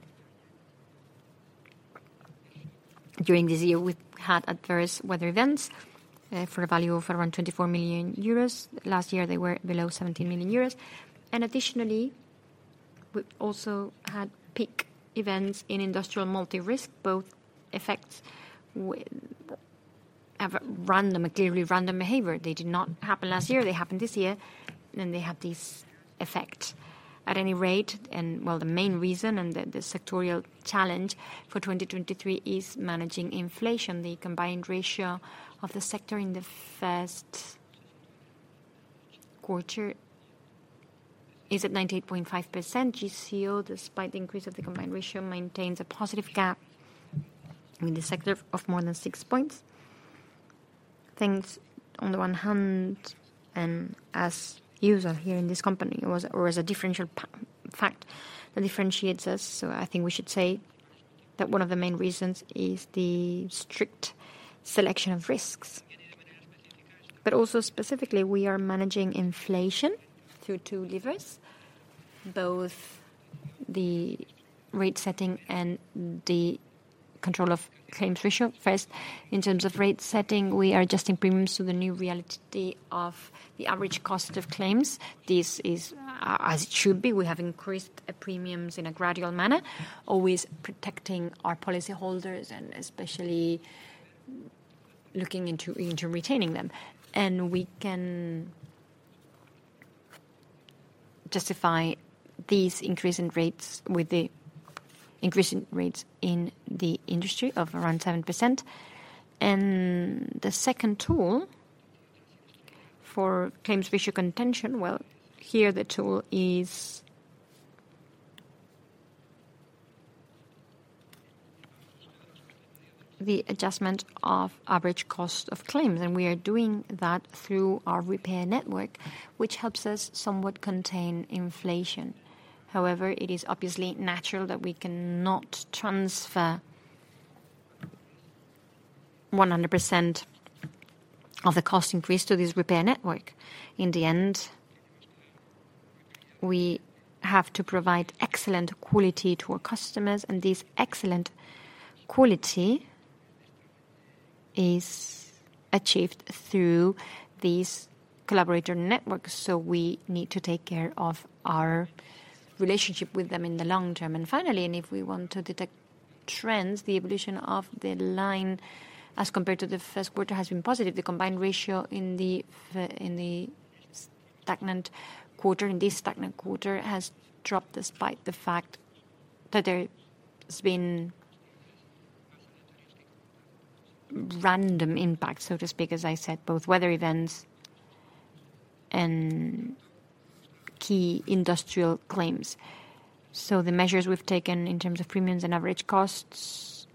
During this year, we had adverse weather events for a value of around 24 million euros. Last year, they were below 17 million euros. Additionally, we also had peak events in industrial multi-risk, both effects have random, a clearly random behavior. They did not happen last year, they happened this year, and they have this effect. At any rate, and, well, the main reason and the, the sectorial challenge for 2023 is managing inflation. The combined ratio of the sector in the first quarter is at 98.5%. GCO, despite the increase of the combined ratio, maintains a positive gap in the sector of more than six points. Things, on the one hand, and as usual, here in this company, was, or as a differential fact that differentiates us, so I think we should say that one of the main reasons is the strict selection of risks. Also specifically, we are managing inflation through two levers, both the rate setting and the control of claims ratio. First, in terms of rate setting, we are adjusting premiums to the new reality of the average cost of claims. This is as it should be. We have increased premiums in a gradual manner, always protecting our policyholders and especially looking into retaining them. We can justify these increase in rates with the increase in rates in the industry of around 7%. The second tool for claims ratio contention. Well, here the tool is the adjustment of average cost of claims, and we are doing that through our repair network, which helps us somewhat contain inflation. It is obviously natural that we cannot transfer 100% of the cost increase to this repair network. In the end, we have to provide excellent quality to our customers, and this excellent quality is achieved through these collaborator networks, so we need to take care of our relationship with them in the long term. Finally, if we want to detect trends, the evolution as compared to the first quarter has been positive. The combined ratio in the stagnant quarter, in this stagnant quarter, has dropped, despite the fact that there has been random impact, so to speak, as I said, both weather events and key industrial claims. The measures we've taken in terms of premiums and average costs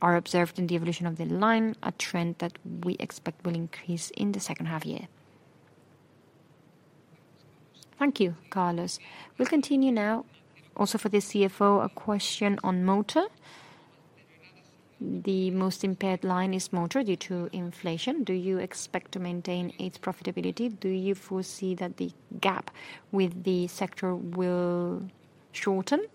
are observed in the evolution of the line, a trend that we expect will increase in the second half year. Thank you, Carlos González. We'll continue now, also for the CFO, a question on motor. The most impaired line is motor due to inflation. Do you expect to maintain its profitability? Do you foresee that the gap with the sector will shorten?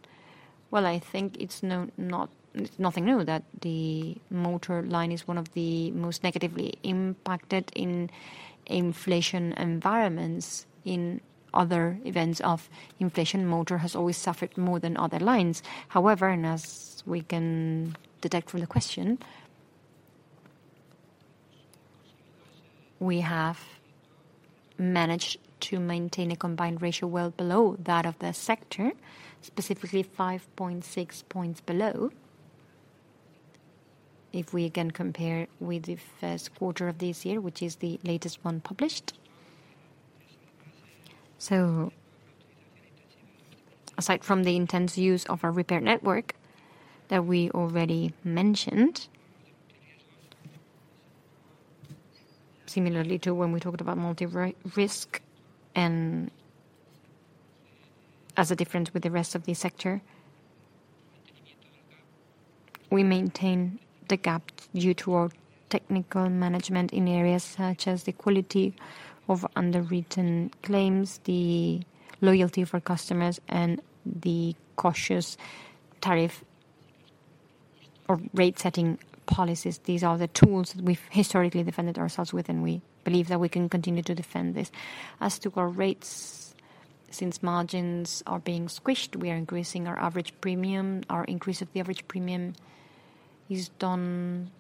Well, I think it's nothing new, that the motor line is one of the most negatively impacted in inflation environments. In other events of inflation, motor has always suffered more than other lines. However, as we can detect from the question, we have managed to maintain a combined ratio well below that of the sector, specifically 5.6 points below. If we again compare with the first quarter of this year, which is the latest one published. Aside from the intense use of our repair network that we already mentioned, similarly to when we talked about multi-risk, and as a difference with the rest of the sector, we maintain the gap due to our technical management in areas such as the quality of underwritten claims, the loyalty of our customers, and the cautious tariff or rate-setting policies. These are the tools that we've historically defended ourselves with, and we believe that we can continue to defend this. As to our rates, since margins are being squished, we are increasing our average premium. Our increase of the average premium is done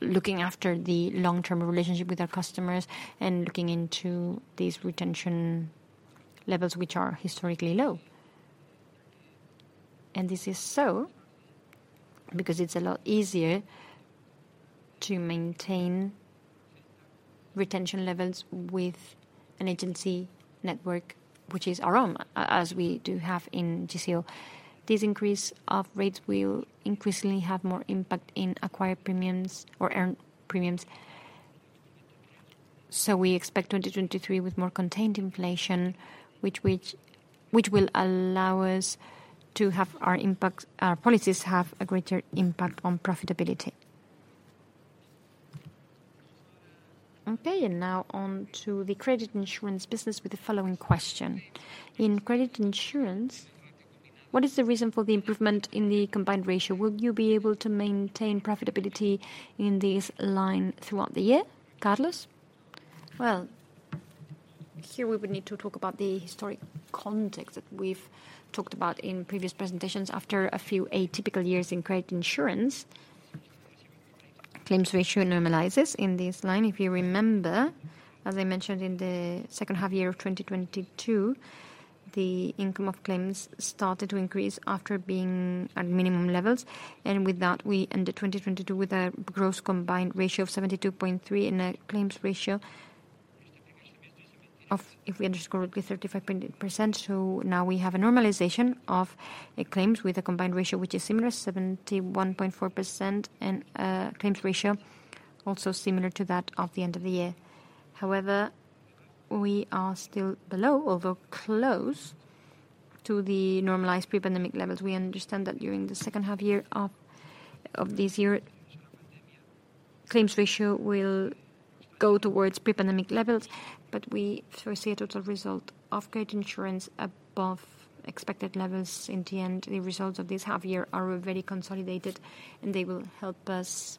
looking after the long-term relationship with our customers and looking into these retention levels, which are historically low. This is so because it's a lot easier to maintain retention levels with an agency network, which is our own, as we do have in GCO. This increase of rates will increasingly have more impact in acquired premiums or earned premiums. We expect 2023 with more contained inflation, which will allow us to have our policies have a greater impact on profitability. Now on to the credit insurance business with the following question: In credit insurance, what is the reason for the improvement in the combined ratio? Will you be able to maintain profitability in this line throughout the year? Carlos? Well, here we would need to talk about the historic context that we've talked about in previous presentations. After a few atypical years in credit insurance, claims ratio normalizes in this line. If you remember, as I mentioned in the second half year of 2022, the income of claims started to increase after being at minimum levels. With that, we ended 2022 with a gross combined ratio of 72.3 and a claims ratio of, if we understood correctly, 35 point percentage. Now we have a normalization of the claims with a combined ratio, which is similar, 71.4%, and a claims ratio also similar to that of the end of the year. However, we are still below, although close, to the normalized pre-pandemic levels. We understand that during the second half year of this year, claims ratio will go towards pre-pandemic levels, we foresee a total result of credit insurance above expected levels. In the end, the results of this half year are very consolidated, they will help us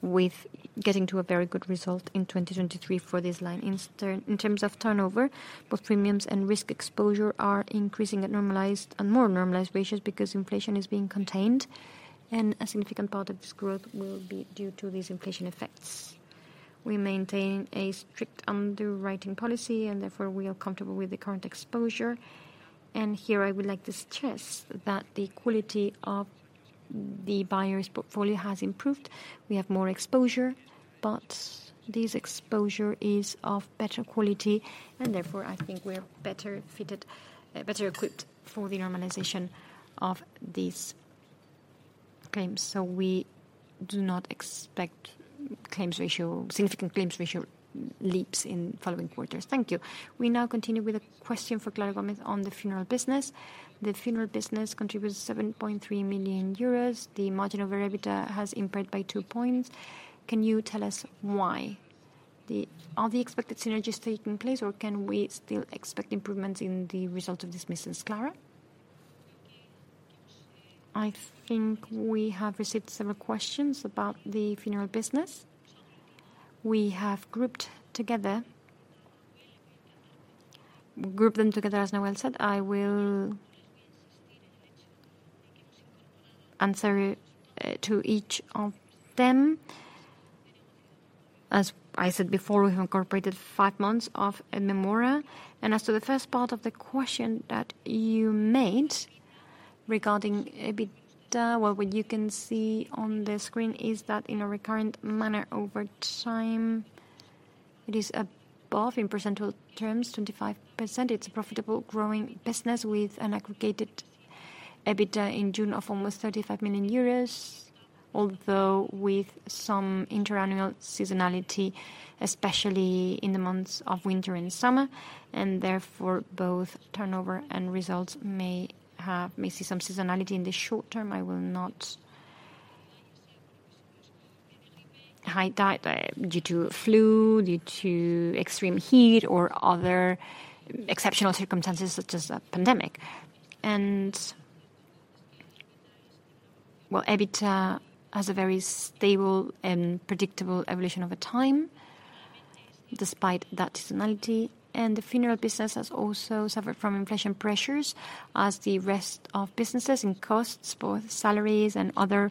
with getting to a very good result in 2023 for this line. In turn, in terms of turnover, both premiums and risk exposure are increasing at normalized and more normalized ratios because inflation is being contained, a significant part of this growth will be due to these inflation effects. We maintain a strict underwriting policy, therefore, we are comfortable with the current exposure. Here, I would like to stress that the quality of the buyer's portfolio has improved. We have more exposure, this exposure is of better quality, therefore, I think we are better fitted, better equipped for the normalization of these claims. We do not expect claims ratio, significant claims ratio leaps in following quarters. Thank you. We now continue with a question for Clara Gómez on the funeral business. The funeral business contributes 7.3 million euros. The margin of our EBITDA has impaired by two points. Can you tell us why? Are the expected synergies taking place, or can we still expect improvements in the result of this business, Clara? I think we have received several questions about the funeral business. group them together, as Nawal said, I will answer to each of them. As I said before, we've incorporated five months of Mémora. As to the first part of the question that you made regarding EBITDA, well, what you can see on the screen is that in a recurrent manner over time, it is above, in percentile terms, 25%. It's a profitable, growing business with an aggregated EBITDA in June of almost 35 million euros, although with some interannual seasonality, especially in the months of winter and summer, and therefore, both turnover and results may see some seasonality in the short term. I will not... High due to flu, due to extreme heat or other exceptional circumstances, such as a pandemic. Well, EBITDA has a very stable and predictable evolution over time, despite that seasonality, and the funeral business has also suffered from inflation pressures as the rest of businesses, in costs, both salaries and other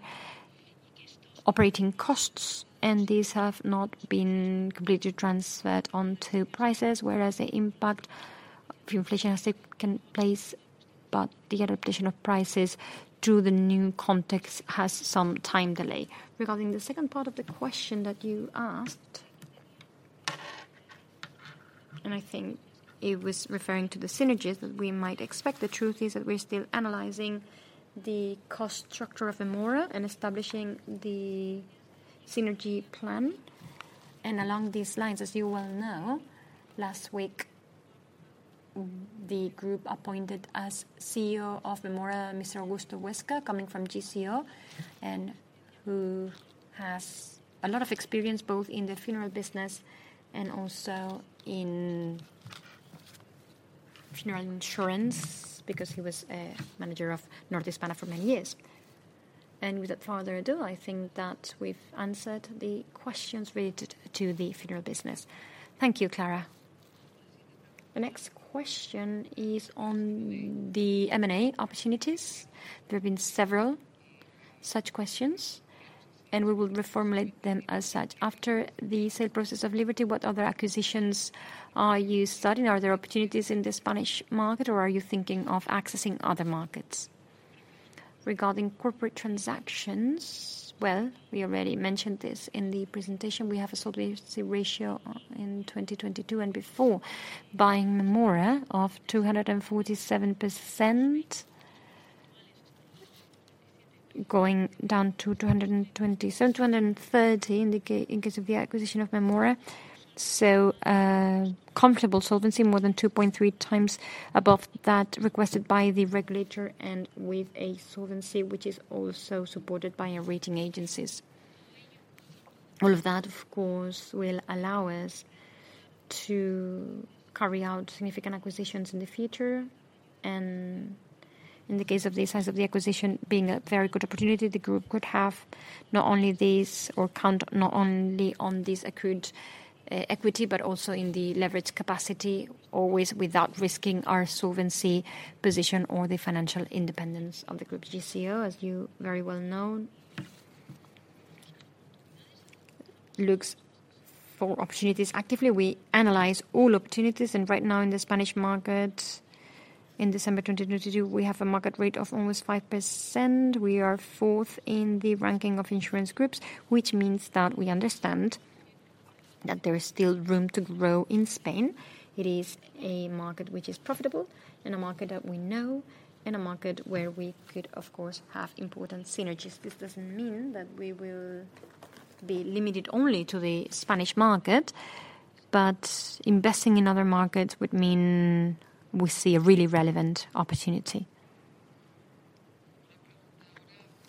operating costs, and these have not been completely transferred onto prices. Whereas the impact of inflation has taken place, but the adaptation of prices to the new context has some time delay. Regarding the second part of the question that you asked, and I think it was referring to the synergies that we might expect. The truth is that we're still analyzing the cost structure of Mémora and establishing the synergy plan. Along these lines, as you well know, last week, the group appointed as CEO of Mémora, Mr. Augusto Huesca, coming from GCO, and who has a lot of experience, both in the funeral business and also in funeral insurance, because he was a Manager of NorteHispana for many years. Without further ado, I think that we've answered the questions related to the funeral business. Thank you, Clara. The next question is on the M&A opportunities. There have been several such questions, and we will reformulate them as such. After the sale process of Liberty, what other acquisitions are you studying? Are there opportunities in the Spanish market, or are you thinking of accessing other markets? Regarding corporate transactions, well, we already mentioned this in the presentation. We have a solvency ratio in 2022 and before, buying Mémora of 247%, going down to 227, 230, in case of the acquisition of Mémora. Comparable solvency, more than 2.3 times above that requested by the regulator and with a solvency which is also supported by our rating agencies. All of that, of course, will allow us to carry out significant acquisitions in the future. In the case of the size of the acquisition being a very good opportunity, the group could have not only this or count not only on this accrued equity, but also in the leverage capacity, always without risking our solvency position or the financial independence of the group. GCO, as you very well know, looks for opportunities actively. We analyze all opportunities, and right now in the Spanish market, in December 2022, we have a market rate of almost 5%. We are fourth in the ranking of insurance groups, which means that we understand that there is still room to grow in Spain. It is a market which is profitable and a market that we know, a market where we could, of course, have important synergies. This doesn't mean that we will be limited only to the Spanish market, investing in other markets would mean we see a really relevant opportunity.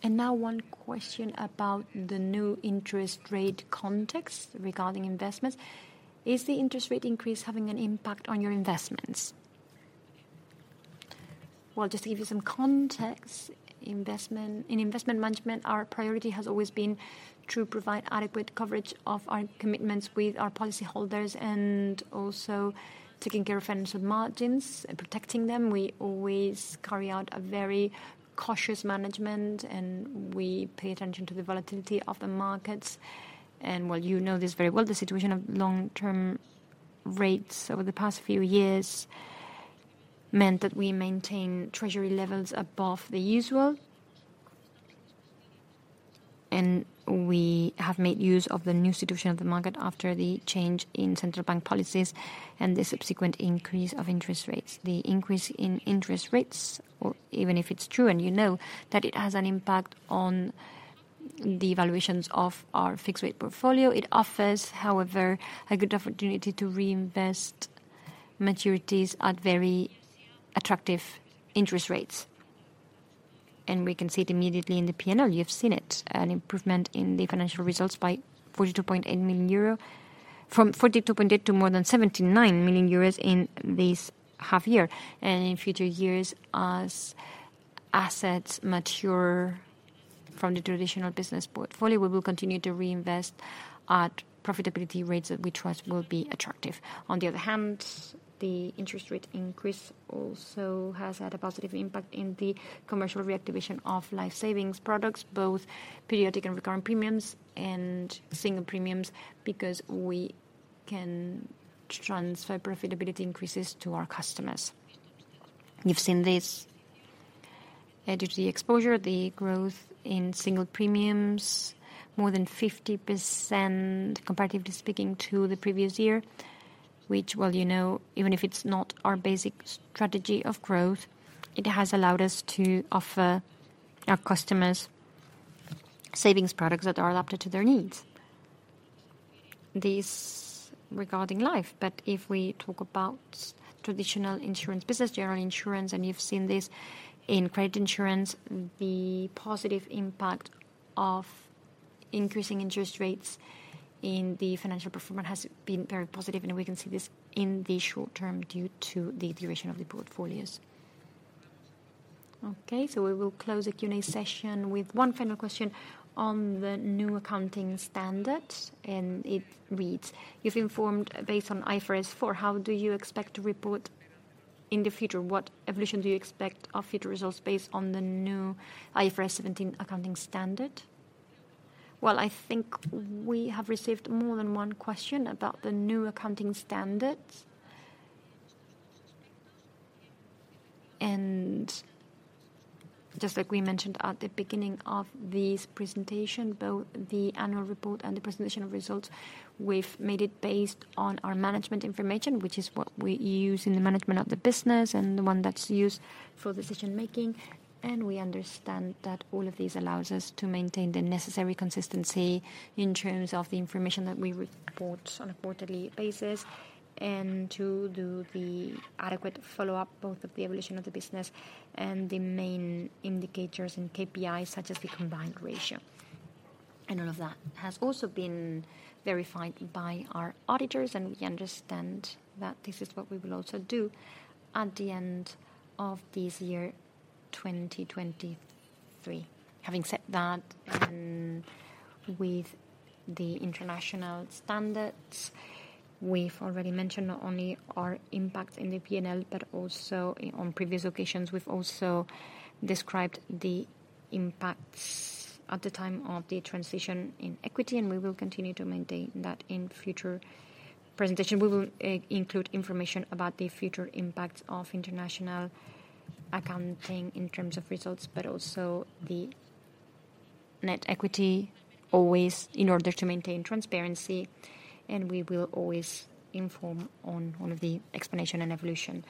Now one question about the new interest rate context regarding investments. Is the interest rate increase having an impact on your investments? Well, just to give you some context, in investment management, our priority has always been to provide adequate coverage of our commitments with our policyholders and also taking care of financial margins and protecting them. We always carry out a very cautious management, we pay attention to the volatility of the markets. Well, you know this very well, the situation of long-term rates over the past few years meant that we maintain treasury levels above the usual. We have made use of the new situation of the market after the change in central bank policies and the subsequent increase of interest rates. The increase in interest rates, or even if it's true and you know that it has an impact on the evaluations of our fixed rate portfolio, it offers, however, a good opportunity to reinvest maturities at very attractive interest rates. We can see it immediately in the P&L. You've seen it, an improvement in the financial results by 42.8 million euro, from 42.8 to more than 79 million euros in this half year. In future years, as assets mature. From the traditional business portfolio, we will continue to reinvest at profitability rates that we trust will be attractive. On the other hand, the interest rate increase also has had a positive impact in the commercial reactivation of life savings products, both periodic and recurring premiums and single premiums, because we can transfer profitability increases to our customers. You've seen this, due to the exposure, the growth in single premiums, more than 50%, comparatively speaking, to the previous year, which, well, you know, even if it's not our basic strategy of growth, it has allowed us to offer our customers savings products that are adapted to their needs. This regarding life, if we talk about traditional insurance business, general insurance, and you've seen this in credit insurance, the positive impact of increasing interest rates in the financial performance has been very positive, we can see this in the short term due to the duration of the portfolios. Okay, we will close the Q&A session with one final question on the new accounting standards, it reads: You've informed based on IFRS 4, how do you expect to report in the future? What evolution do you expect of future results based on the new IFRS 17 accounting standard? Well, I think we have received more than one question about the new accounting standards. Just like we mentioned at the beginning of this presentation, both the annual report and the presentation of results, we've made it based on our management information, which is what we use in the management of the business and the one that's used for decision-making. We understand that all of these allows us to maintain the necessary consistency in terms of the information that we report on a quarterly basis, and to do the adequate follow-up, both of the evolution of the business and the main indicators and KPIs, such as the combined ratio. All of that has also been verified by our auditors, and we understand that this is what we will also do at the end of this year, 2023. Having said that, with the international standards, we've already mentioned not only our impact in the P&L, but also on previous occasions, we've also described the impacts at the time of the transition in equity, we will continue to maintain that in future presentation. We will include information about the future impacts of international accounting in terms of results, but also the net equity, always in order to maintain transparency, we will always inform on the explanation and evolution.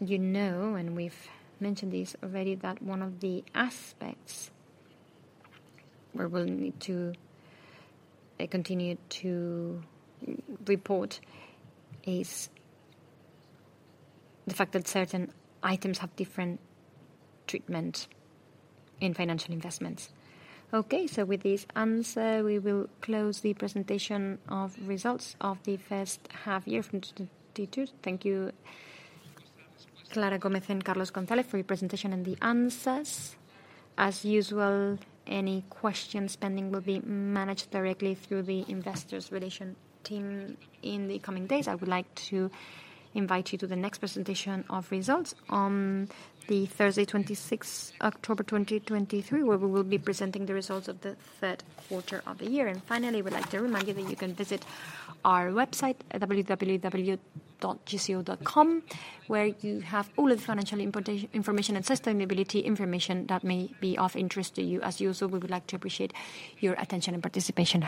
You know, we've mentioned this already, that one of the aspects where we'll need to continue to report is the fact that certain items have different treatment in financial investments. Okay, with this answer, we will close the presentation of results of the first half year from 2022. Thank you, Clara Gómez and Carlos González, for your presentation and the answers. As usual, any questions pending will be managed directly through the investor relations team in the coming days. I would like to invite you to the next presentation of results on Thursday, October 26, 2023, where we will be presenting the results of the third quarter of the year. Finally, we would like to remind you that you can visit our website at www.gco.com, where you have all of the financial information and sustainability information that may be of interest to you. As usual, we would like to appreciate your attention and participation.